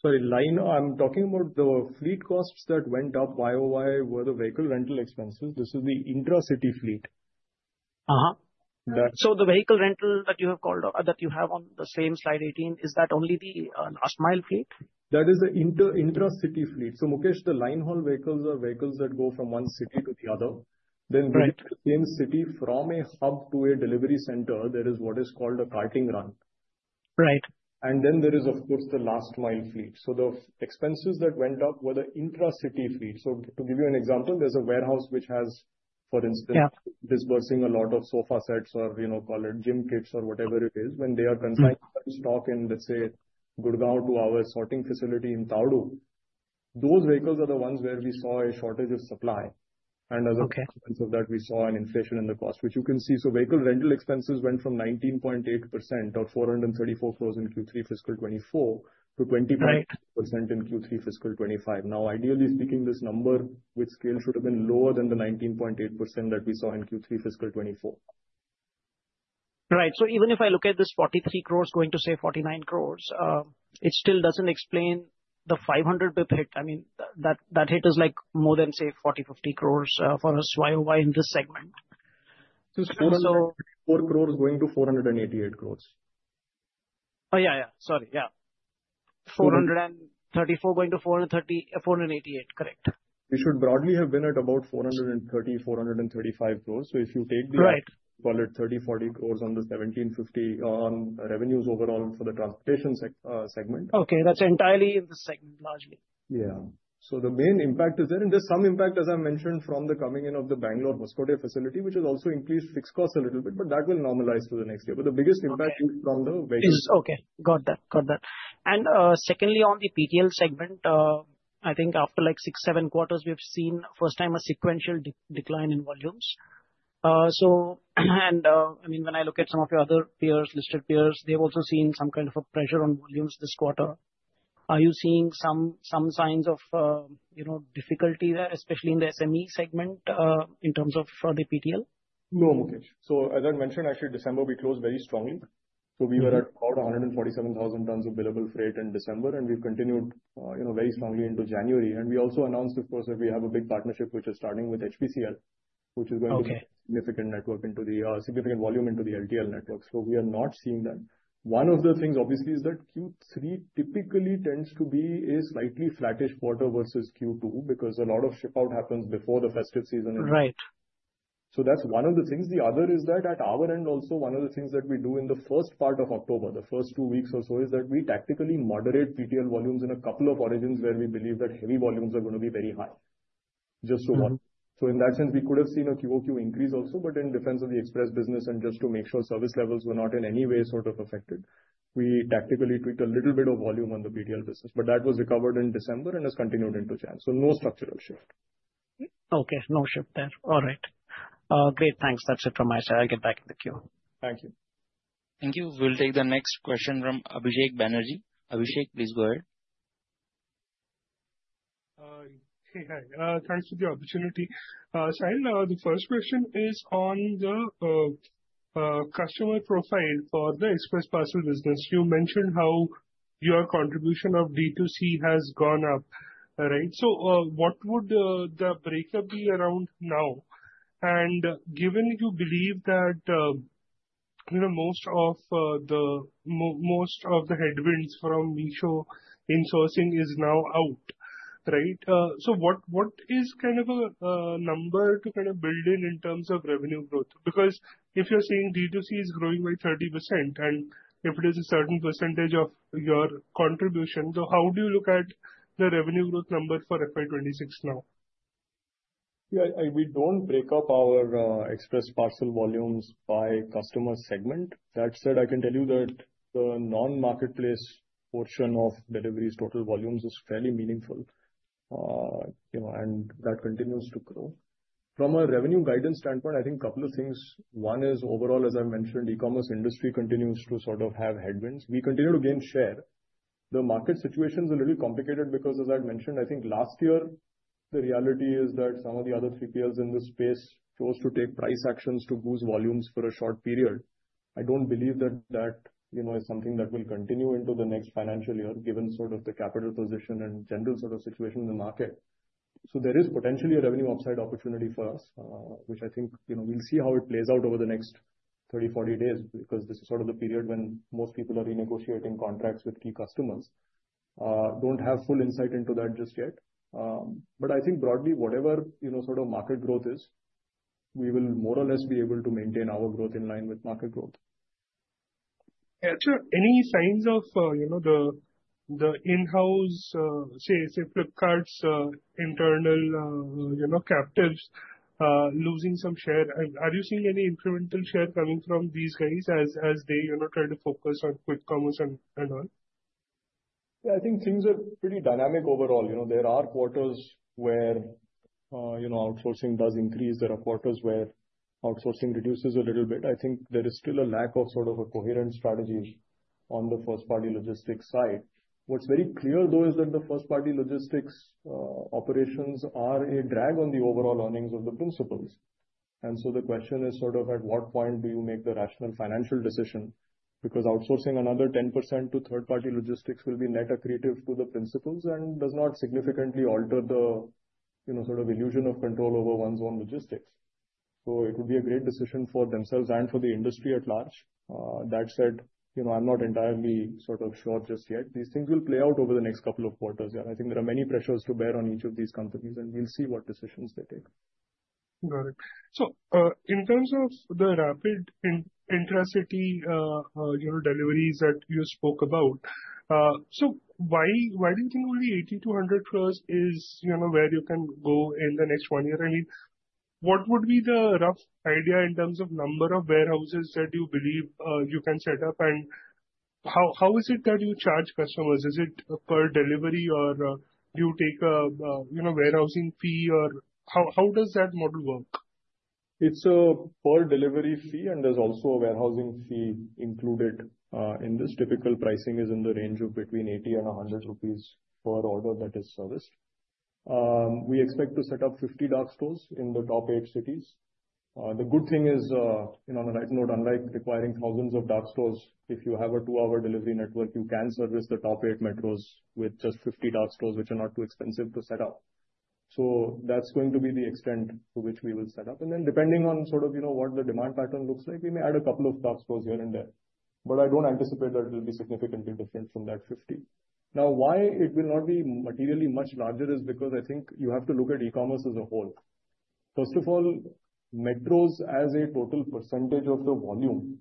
Sorry, I'm talking about the fleet costs that went up YOY, the vehicle rental expenses. This is the intracity fleet. So the vehicle rental that you have called out that you have on the same slide 18, is that only the last-mile fleet? That is the intracity fleet. So Mukesh, the line haul vehicles are vehicles that go from one city to the other. Then within the same city from a hub to a delivery center, there is what is called a carting run. Alright And then there is, of course, the last-mile fleet. The expenses that went up were the intracity fleet. To give you an example, there's a warehouse which has, for instance, dispatching a lot of sofa sets or call it gym kits or whatever it is. When they are consigned to stock in, let's say, Gurgaon to our sorting facility in Tauru, those vehicles are the ones where we saw a shortage of supply. And as a consequence of that, we saw an inflation in the cost, which you can see. Vehicle rental expenses went from 19.8% or 434 crores in Q3 fiscal 2024 to 20.8% in Q3 fiscal 2025. Now, ideally speaking, this number with scale should have been lower than the 19.8% that we saw in Q3 fiscal 2024. Right. Even if I look at this 43 crores going to, say, 49 crores, it still doesn't explain the 500 basis points hit. I mean, that hit is more than, say, 40-50 crores for us YOY in this segment. So 434 crores going to 488 crores. Oh, yeah, yeah. Sorry. Yeah. 434 going to 488. Correct. We should broadly have been at about 430-435 crores. So if you take Right Call it 30-40 crores on the 1750 on revenues overall for the transportation segment. Okay. That's entirely in the segment, largely. Yeah. So the main impact is there. And there's some impact, as I mentioned, from the coming in of the Bengaluru Hoskote facility, which has also increased fixed costs a little bit, but that will normalize to the next year. But the biggest impact is from the vehicles. Okay. Got that. Got that. And secondly, on the PTL segment, I think after like six, seven quarters, we have seen first-time a sequential decline in volumes. I mean, when I look at some of your other peers, listed peers, they've also seen some kind of a pressure on volumes this quarter. Are you seeing some signs of difficulty there, especially in the SME segment in terms of the PTL? No, Mukesh. As I mentioned, actually, December, we closed very strongly. We were at about 147,000 tons of billable freight in December, and we've continued very strongly into January. We also announced, of course, that we have a big partnership, which is starting with HPCL, which is going to be a significant network into the significant volume into the LTL network. We are not seeing that. One of the things, obviously, is that Q3 typically tends to be a slightly flattish quarter versus Q2 because a lot of ship out happens before the festive season ends. Right So that's one of the things. The other is that at our end, also, one of the things that we do in the first part of October, the first two weeks or so, is that we tactically moderate PTL volumes in a couple of origins where we believe that heavy volumes are going to be very high. Just to watch. So in that sense, we could have seen a QOQ increase also, but in defense of the express business and just to make sure service levels were not in any way sort of affected, we tactically tweaked a little bit of volume on the PTL business. But that was recovered in December and has continued into Jan. So no structural shift. Okay. No shift there. All right. Great. Thanks. That's it from my side. I'll get back in the queue. Thank you. Thank you. We'll take the next question from Abhishek Banerjee. Abhishek, please go ahead. Hey, hi. Thanks for the opportunity. Sahil, the first question is on the customer profile for the Express Parcel business. You mentioned how your contribution of D2C has gone up, right? So what would the breakup be around now? And given you believe that most of the headwinds from Meesho in-sourcing is now out, right? So what is kind of a number to kind of build in in terms of revenue growth? Because if you're seeing D2C is growing by 30%, and if it is a certain percentage of your contribution, then how do you look at the revenue growth number for FY26 now? Yeah, we don't break up our Express Parcel volumes by customer segment. That said, I can tell you that the non-marketplace portion of deliveries total volumes is fairly meaningful, and that continues to grow. From a revenue guidance standpoint, I think a couple of things. One is overall, as I've mentioned, e-commerce industry continues to sort of have headwinds. We continue to gain share. The market situation is a little complicated because, as I've mentioned, I think last year, the reality is that some of the other 3PLs in the space chose to take price actions to boost volumes for a short period. I don't believe that that is something that will continue into the next financial year, given sort of the capital position and general sort of situation in the market. So there is potentially a revenue upside opportunity for us, which I think we'll see how it plays out over the next 30, 40 days because this is sort of the period when most people are renegotiating contracts with key customers. Don't have full insight into that just yet. But I think broadly, whatever sort of market growth is, we will more or less be able to maintain our growth in line with market growth. Yeah. So any signs of the in-house, say, Flipkart's internal captives losing some share? Are you seeing any incremental share coming from these guys as they try to focus on quick commerce and all? Yeah, I think things are pretty dynamic overall. There are quarters where outsourcing does increase. There are quarters where outsourcing reduces a little bit. I think there is still a lack of sort of a coherent strategy on the first-party logistics side. What's very clear, though, is that the first-party logistics operations are a drag on the overall earnings of the principals. And so the question is sort of at what point do you make the rational financial decision? Because outsourcing another 10% to third-party logistics will be net accretive to the P&Ls and does not significantly alter the sort of illusion of control over one's own logistics. So it would be a great decision for themselves and for the industry at large. That said, I'm not entirely sort of sure just yet. These things will play out over the next couple of quarters. I think there are many pressures to bear on each of these companies, and we'll see what decisions they take. Got it. So in terms of the rapid intracity deliveries that you spoke about, so why do you think only 80 crore-100 crore is where you can go in the next one year? I mean, what would be the rough idea in terms of number of warehouses that you believe you can set up? And how is it that you charge customers? Is it per delivery, or do you take a warehousing fee? Or how does that model work? It's a per delivery fee, and there's also a warehousing fee included in this. Typical pricing is in the range of between 80 and 100 rupees per order that is serviced. We expect to set up 50 dark stores in the top eight cities. The good thing is, on a nice note, unlike requiring thousands of dark stores, if you have a two-hour delivery network, you can service the top eight metros with just 50 dark stores, which are not too expensive to set up. So that's going to be the extent to which we will set up. And then depending on sort of what the demand pattern looks like, we may add a couple of dark stores here and there. But I don't anticipate that it will be significantly different from that 50. Now, why it will not be materially much larger is because I think you have to look at e-commerce as a whole. First of all, metros as a total percentage of the volume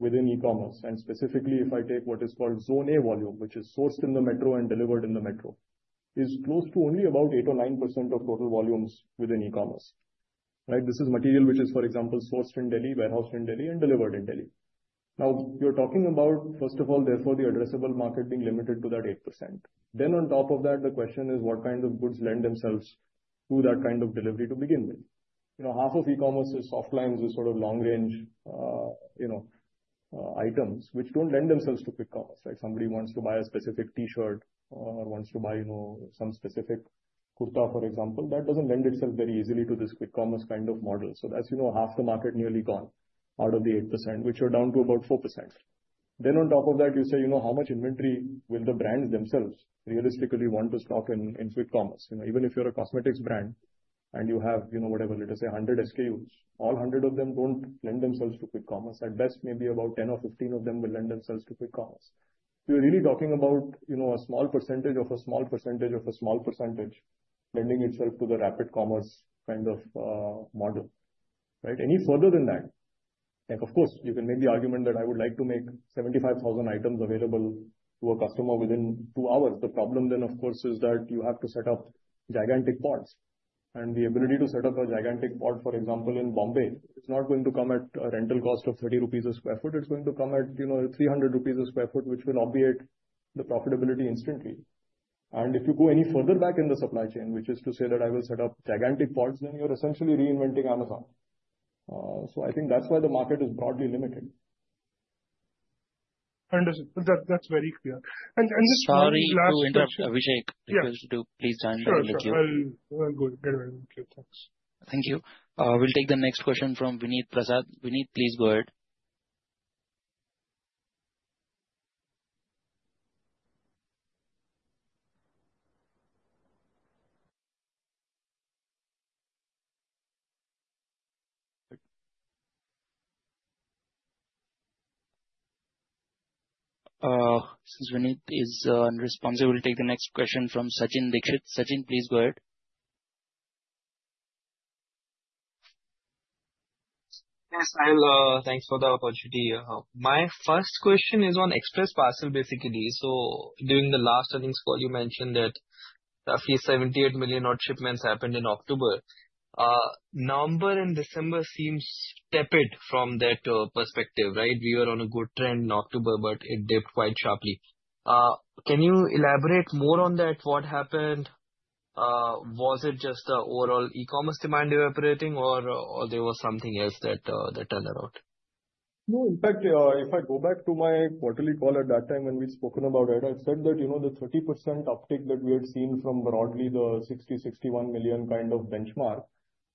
within e-commerce, and specifically, if I take what is called Zone A volume, which is sourced in the metro and delivered in the metro, is close to only about 8% or 9% of total volumes within e-commerce. This is material which is, for example, sourced in Delhi, warehoused in Delhi, and delivered in Delhi. Now, you're talking about, first of all, therefore, the addressable market being limited to that 8%. Then on top of that, the question is, what kind of goods lend themselves to that kind of delivery to begin with? Half of e-commerce is soft lines, is sort of long-range items, which don't lend themselves to quick commerce. Somebody wants to buy a specific T-shirt or wants to buy some specific kurta, for example. That doesn't lend itself very easily to this quick commerce kind of model. So that's half the market nearly gone out of the 8%, which are down to about 4%. Then on top of that, you say, how much inventory will the brands themselves realistically want to stock in quick commerce? Even if you're a cosmetics brand and you have whatever, let us say, 100 SKUs, all 100 of them don't lend themselves to quick commerce. At best, maybe about 10 or 15 of them will lend themselves to quick commerce. We're really talking about a small percentage of a small percentage of a small percentage lending itself to the rapid commerce kind of model. Any further than that, of course, you can make the argument that I would like to make 75,000 items available to a customer within two hours. The problem then, of course, is that you have to set up gigantic pods. And the ability to set up a gigantic pod, for example, in Bombay, it's not going to come at a rental cost of 30 rupees sq ft. It's going to come at 300 rupees sq ft, which will obviate the profitability instantly. And if you go any further back in the supply chain, which is to say that I will set up gigantic pods, then you're essentially reinventing Amazon. So I think that's why the market is broadly limited. Understood. That's very clear. And this last question. Sorry to interrupt, Abhishek. Please do please chime in the queue. Sure, I will go back to the queue. Thanks. Thank you. We'll take the next question from Vineet Prasad. Vineet, please go ahead. Since Vineet is unresponsive, we'll take the next question from Sachin Dixit. Sachin, please go ahead. Yes, Sahil, thanks for the opportunity. My first question is on Express Parcel, basically. So during the last earnings call, you mentioned that roughly 78 million odd shipments happened in October. November and December seem stepped from that perspective, right? We were on a good trend in October, but it dipped quite sharply. Can you elaborate more on that? What happened? Was it just the overall e-commerce demand evaporating, or there was something else that turned around? No, in fact, if I go back to my quarterly call at that time when we'd spoken about it, I said that the 30% uptick that we had seen from broadly the 60, 61 million kind of benchmark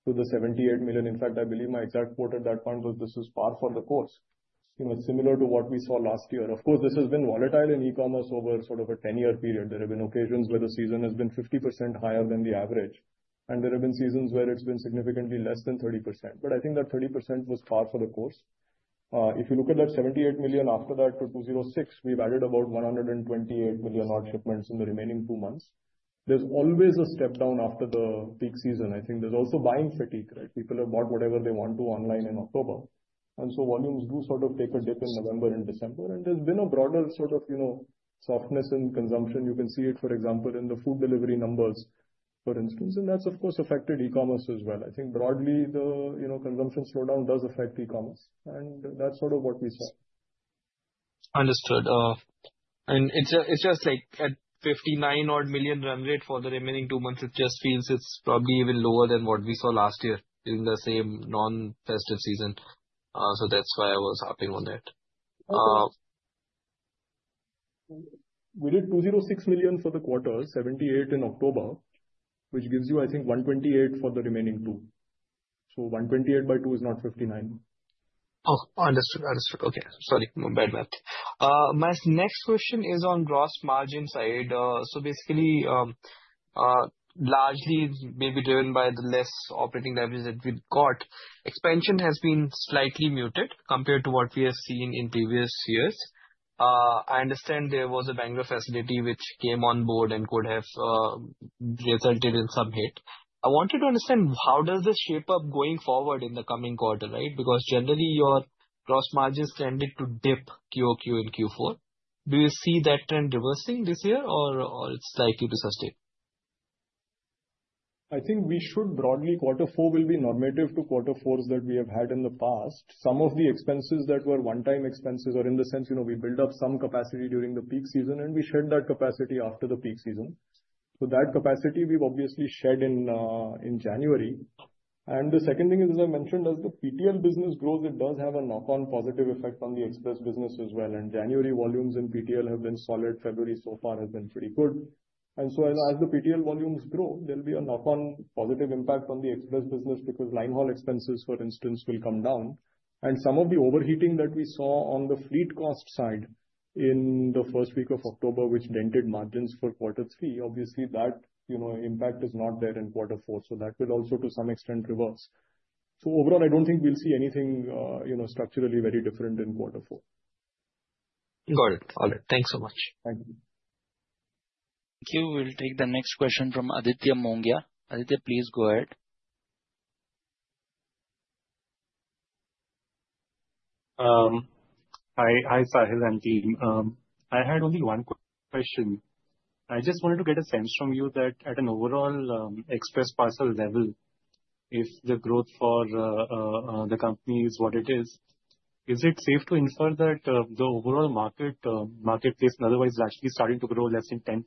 to the 78 million, in fact, I believe my exact quote at that point was, "This is par for the course." Similar to what we saw last year. Of course, this has been volatile in e-commerce over sort of a 10-year period. There have been occasions where the season has been 50% higher than the average, and there have been seasons where it's been significantly less than 30%. But I think that 30% was par for the course. If you look at that 78 million after that to 206, we've added about 128 million odd shipments in the remaining two months. There's always a step down after the peak season. I think there's also buying fatigue, right? People have bought whatever they want to online in October. And so volumes do sort of take a dip in November and December. And there's been a broader sort of softness in consumption. You can see it, for example, in the food delivery numbers, for instance. And that's, of course, affected e-commerce as well. I think broadly, the consumption slowdown does affect e-commerce. And that's sort of what we saw. Understood. And it's just like at 59 odd million run rate for the remaining two months, it just feels it's probably even lower than what we saw last year during the same non-festive season. So that's why I was hopping on that. We did 206 million for the quarter, 78 in October, which gives you, I think, 128 for the remaining two. So 128 by two is not 59. Oh, understood. Understood. Okay. Sorry. Bad math. My next question is on gross margin side. So basically, largely maybe driven by the less operating leverage that we've got, expansion has been slightly muted compared to what we have seen in previous years. I understand there was a Bangalore facility which came on board and could have resulted in some hit. I wanted to understand how does this shape up going forward in the coming quarter, right? Because generally, your gross margins tended to dip QOQ in Q4. Do you see that trend reversing this year, or it's likely to sustain? I think we should broadly quarter four will be normative to quarter fours that we have had in the past. Some of the expenses that were one-time expenses, or in the sense, we build up some capacity during the peak season, and we shed that capacity after the peak season. So that capacity we've obviously shed in January. And the second thing is, as I mentioned, as the PTL business grows, it does have a knock-on positive effect on the express business as well. And January volumes in PTL have been solid. February so far has been pretty good. And so as the PTL volumes grow, there'll be a knock-on positive impact on the express business because line haul expenses, for instance, will come down. And some of the overheating that we saw on the fleet cost side in the first week of October, which dented margins for quarter three, obviously that impact is not there in quarter four. So that will also to some extent reverse. So overall, I don't think we'll see anything structurally very different in quarter four. Got it. All right. Thanks so much. Thank you. Thank you. We'll take the next question from Aditya Mongia. Aditya, please go ahead. Hi, Sahil and team. I had only one question. I just wanted to get a sense from you that at an overall express parcel level, if the growth for the company is what it is, is it safe to infer that the overall marketplace and otherwise is actually starting to grow less than 10%?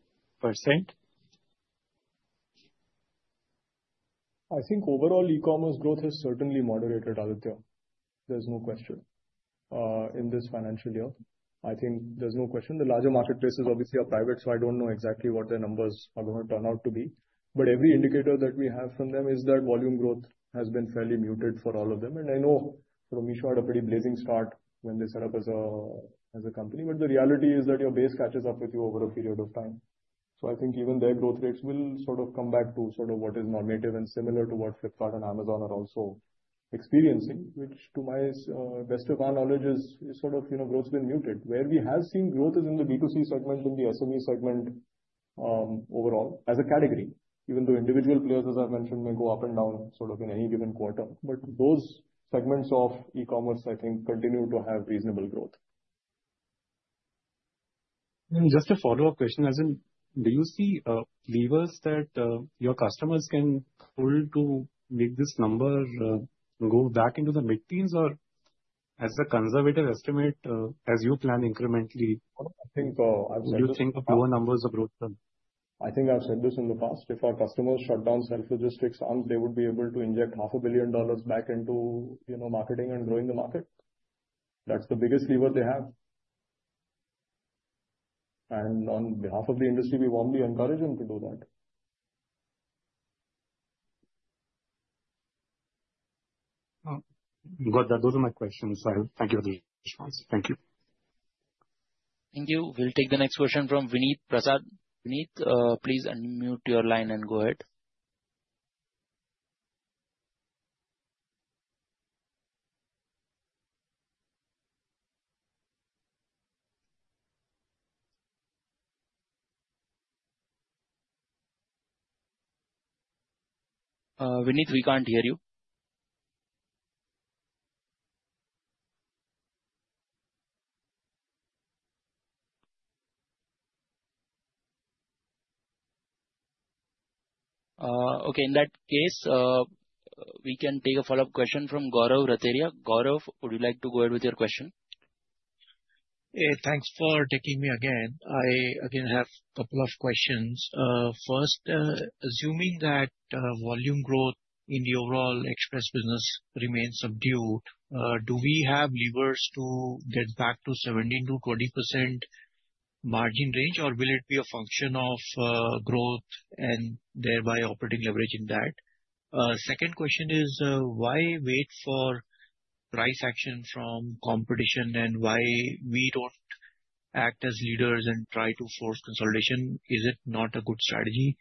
I think overall e-commerce growth is certainly moderated, Aditya. There's no question in this financial year. I think there's no question. The larger marketplaces obviously are private, so I don't know exactly what their numbers are going to turn out to be. But every indicator that we have from them is that volume growth has been fairly muted for all of them. And I know Meesho had a pretty blazing start when they set up as a company. But the reality is that your base catches up with you over a period of time. So I think even their growth rates will sort of come back to sort of what is normative and similar to what Flipkart and Amazon are also experiencing, which to the best of our knowledge is sort of growth's been muted. Where we have seen growth is in the B2C segment, in the SME segment overall as a category, even though individual players, as I mentioned, may go up and down sort of in any given quarter. But those segments of e-commerce, I think, continue to have reasonable growth. Just a follow-up question. Do you see levers that your customers can pull to make this number go back into the mid-teens, or as a conservative estimate, as you plan incrementally, do you think lower numbers of growth? I think I've said this in the past. If our customers shut down self-logistics arms, they would be able to inject $500 million back into marketing and growing the market. That's the biggest lever they have. And on behalf of the industry, we warmly encourage them to do that. Got it. Those are my questions. Thank you for the response. Thank you. Thank you. We'll take the next question from Vineet Prasad. Vineet, please unmute your line and go ahead. Vineet, we can't hear you. Okay. In that case, we can take a follow-up question from Gaurav Rateria. Gaurav, would you like to go ahead with your question? Thanks for taking me again. I again have a couple of questions. First, assuming that volume growth in the overall express business remains subdued, do we have levers to get back to 17%-20% margin range, or will it be a function of growth and thereby operating leverage in that? Second question is, why wait for price action from competition, and why we don't act as leaders and try to force consolidation? Is it not a good strategy?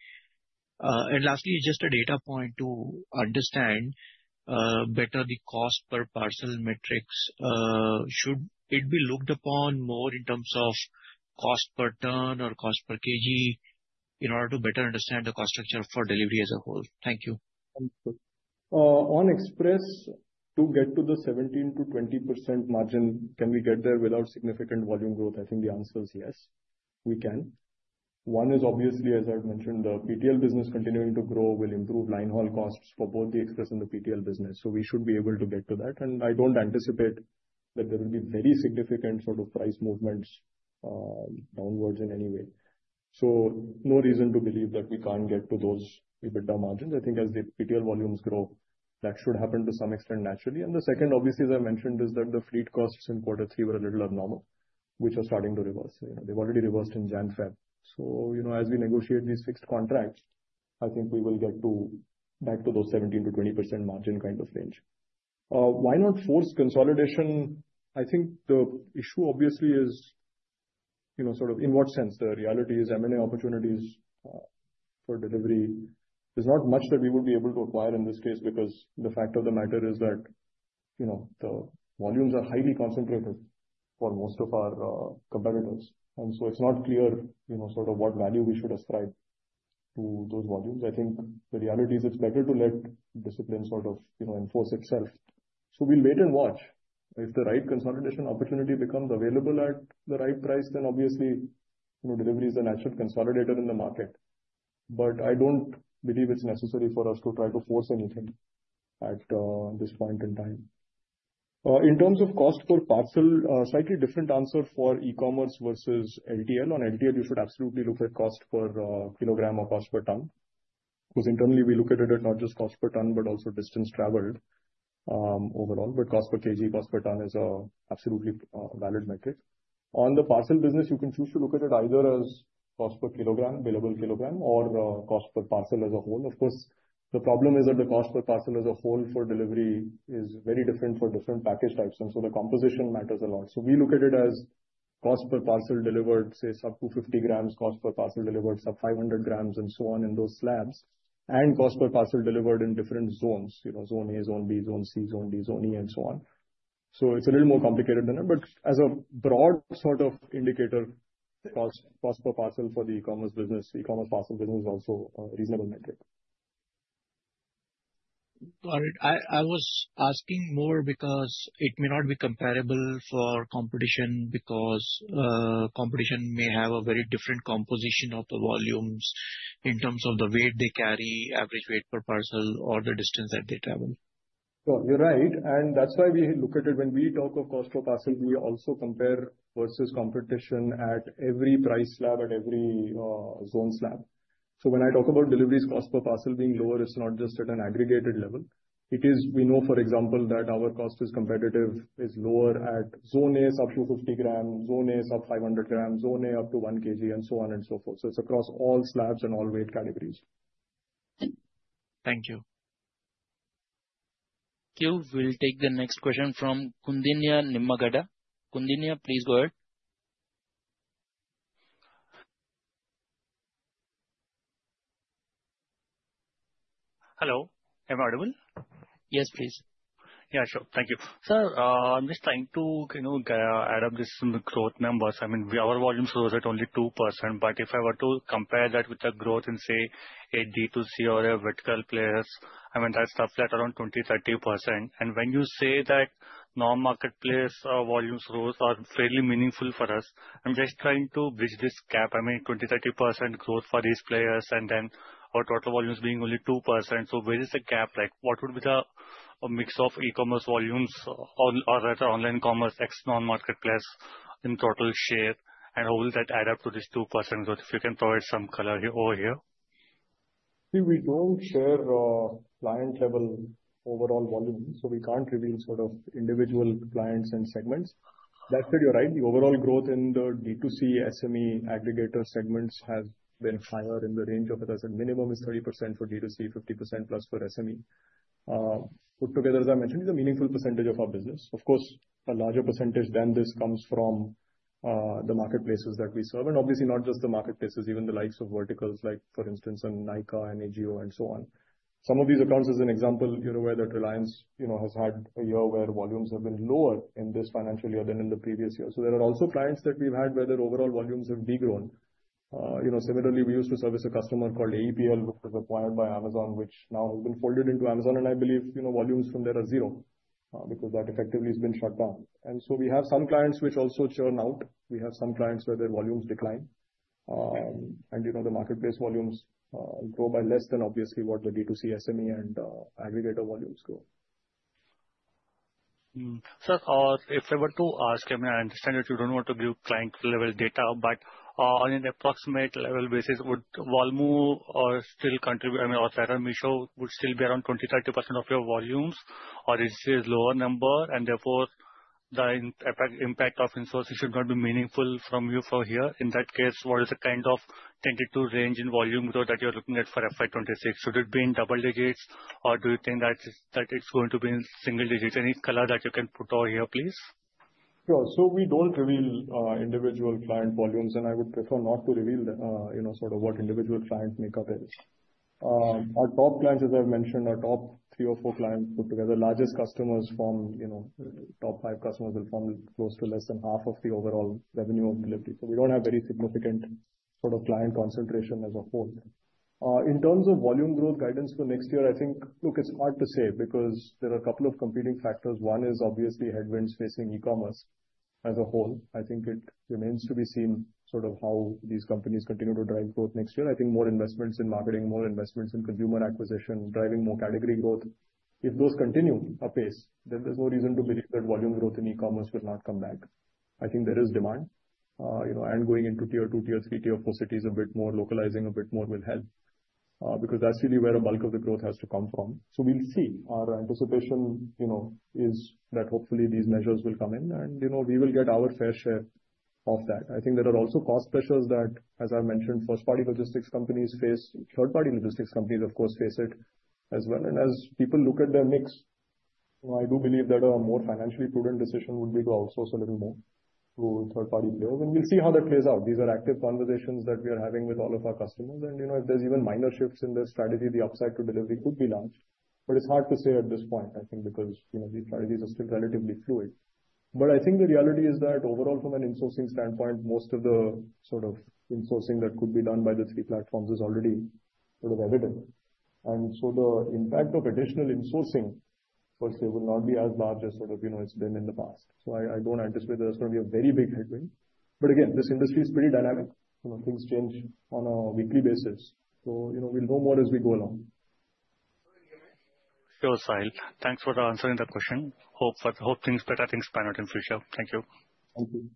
And lastly, just a data point to understand better the cost per parcel metrics. Should it be looked upon more in terms of cost per ton or cost per kg in order to better understand the cost structure for delivery as a whole? Thank you. On express, to get to the 17%-20% margin, can we get there without significant volume growth? I think the answer is yes. We can. One is obviously, as I've mentioned, the PTL business continuing to grow will improve line haul costs for both the express and the PTL business. So we should be able to get to that. And I don't anticipate that there will be very significant sort of price movements downwards in any way. So no reason to believe that we can't get to those EBITDA margins. I think as the PTL volumes grow, that should happen to some extent naturally. And the second, obviously, as I mentioned, is that the fleet costs in quarter three were a little abnormal, which are starting to reverse. They've already reversed in January February. So as we negotiate these fixed contracts, I think we will get back to those 17%-20% margin kind of range. Why not force consolidation? I think the issue obviously is sort of in what sense? The reality is M&A opportunities for delivery is not much that we would be able to acquire in this case because the fact of the matter is that the volumes are highly concentrated for most of our competitors, and so it's not clear sort of what value we should ascribe to those volumes. I think the reality is it's better to let discipline sort of enforce itself, so we'll wait and watch. If the right consolidation opportunity becomes available at the right price, then obviously delivery is a natural consolidator in the market, but I don't believe it's necessary for us to try to force anything at this point in time. In terms of cost per parcel, slightly different answer for e-commerce versus LTL. On LTL, you should absolutely look at cost per kilogram or cost per ton. Because internally, we look at it at not just cost per ton, but also distance traveled overall. But cost per kg, cost per ton is an absolutely valid metric. On the parcel business, you can choose to look at it either as cost per kilogram, billable kilogram, or cost per parcel as a whole. Of course, the problem is that the cost per parcel as a whole for delivery is very different for different package types. And so the composition matters a lot. So we look at it as cost per parcel delivered, say, sub 250 grams, cost per parcel delivered sub 500 grams, and so on in those slabs. And cost per parcel delivered in different zones, Zone A, Zone B, Zone C, Zone D, Zone E, and so on. So it's a little more complicated than that. But as a broad sort of indicator, cost per parcel for the e-commerce business, e-commerce parcel business is also a reasonable metric. Got it. I was asking more because it may not be comparable for competition because competition may have a very different composition of the volumes in terms of the weight they carry, average weight per parcel, or the distance that they travel. You're right. And that's why we look at it when we talk of cost per parcel, we also compare versus competition at every price slab at every zone slab. So when I talk about deliveries, cost per parcel being lower, it's not just at an aggregated level. It is, we know, for example, that our cost is competitive is lower at zone A sub 250 grams, zone A sub 500 grams, zone A up to 1 kg, and so on and so forth. So it's across all slabs and all weight categories. Thank you. Thank you. We'll take the next question from Koundinya Nimmagadda. Koundinya, please go ahead. Hello. Am I audible? Yes, please. Yeah, sure. Thank you. Sir, I'm just trying to add up these growth numbers. I mean, our volume growth is at only 2%. But if I were to compare that with the growth in, say, a D2C or a vertical players, I mean, that stuff is at around 20%-30%. And when you say that non-marketplace volumes growth are fairly meaningful for us, I'm just trying to bridge this gap. I mean, 20%-30% growth for these players, and then our total volume is being only 2%. So where is the gap? What would be the mix of e-commerce volumes or rather online commerce x non-marketplace in total share? And how will that add up to this 2% growth if you can provide some color over here? See, we don't share client-level overall volume, so we can't reveal sort of individual clients and segments. That said, you're right. The overall growth in the D2C SME aggregator segments has been higher in the range of, as I said, minimum is 30% for D2C, 50% plus for SME. Put together, as I mentioned, is a meaningful percentage of our business. Of course, a larger percentage than this comes from the marketplaces that we serve. And obviously, not just the marketplaces, even the likes of verticals like, for instance, Nike and Ajio and so on. Some of these accounts, as an example, you're aware that Reliance has had a year where volumes have been lower in this financial year than in the previous year. So there are also clients that we've had where their overall volumes have grown. Similarly, we used to service a customer called ARPL, which was acquired by Amazon, which now has been folded into Amazon. And I believe volumes from there are zero because that effectively has been shut down. And so we have some clients which also churn out. We have some clients where their volumes decline. And the marketplace volumes grow by less than, obviously, what the D2C SME and aggregator volumes grow. Sir, if I were to ask, I mean, I understand that you don't want to give client-level data, but on an approximate level basis, would Valmo still contribute, I mean, or rather, Meesho would still be around 20%-30% of your volumes, or is this lower number? And therefore, the impact of in-sourcing should not be meaningful from you for here. In that case, what is the kind of tentative range in volume growth that you're looking at for FY26? Should it be in double digits, or do you think that it's going to be in single digits? Any color that you can put over here, please? Sure. So we don't reveal individual client volumes, and I would prefer not to reveal sort of what individual client makeup is. Our top clients, as I've mentioned, our top three or four clients put together, largest customers from top five customers will form close to less than half of the overall revenue of Delhivery. So we don't have very significant sort of client concentration as a whole. In terms of volume growth guidance for next year, I think, look, it's hard to say because there are a couple of competing factors. One is obviously headwinds facing e-commerce as a whole. I think it remains to be seen sort of how these companies continue to drive growth next year. I think more investments in marketing, more investments in consumer acquisition, driving more category growth. If those continue apace, then there's no reason to believe that volume growth in e-commerce will not come back. I think there is demand, and going into tier two, tier three, tier four cities a bit more, localizing a bit more will help because that's really where a bulk of the growth has to come from, so we'll see. Our anticipation is that hopefully these measures will come in, and we will get our fair share of that. I think there are also cost pressures that, as I've mentioned, first-party logistics companies face. Third-party logistics companies, of course, face it as well. And as people look at their mix, I do believe that a more financially prudent decision would be to outsource a little more through third-party players. And we'll see how that plays out. These are active conversations that we are having with all of our customers. And if there's even minor shifts in the strategy, the upside to Delhivery could be large. But it's hard to say at this point, I think, because these strategies are still relatively fluid. But I think the reality is that overall, from an in-sourcing standpoint, most of the sort of in-sourcing that could be done by the three platforms is already sort of evident. And so the impact of additional in-sourcing, firstly, will not be as large as sort of it's been in the past. So I don't anticipate that there's going to be a very big headwind. But again, this industry is pretty dynamic. Things change on a weekly basis. So we'll know more as we go along. Sure, Sahil. Thanks for answering the question. Hope things better things pan out in the future. Thank you. Thank you.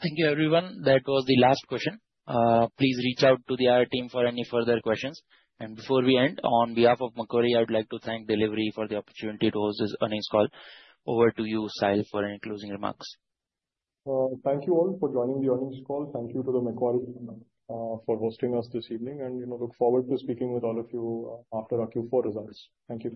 Thank you, everyone. That was the last question. Please reach out to the IR team for any further questions. And before we end, on behalf of Macquarie, I would like to thank Delhivery for the opportunity to host this earnings call. Over to you, Sahil, for any closing remarks. Thank you all for joining the earnings call. Thank you to the Macquarie for hosting us this evening. And look forward to speaking with all of you after our Q4 results. Thank you.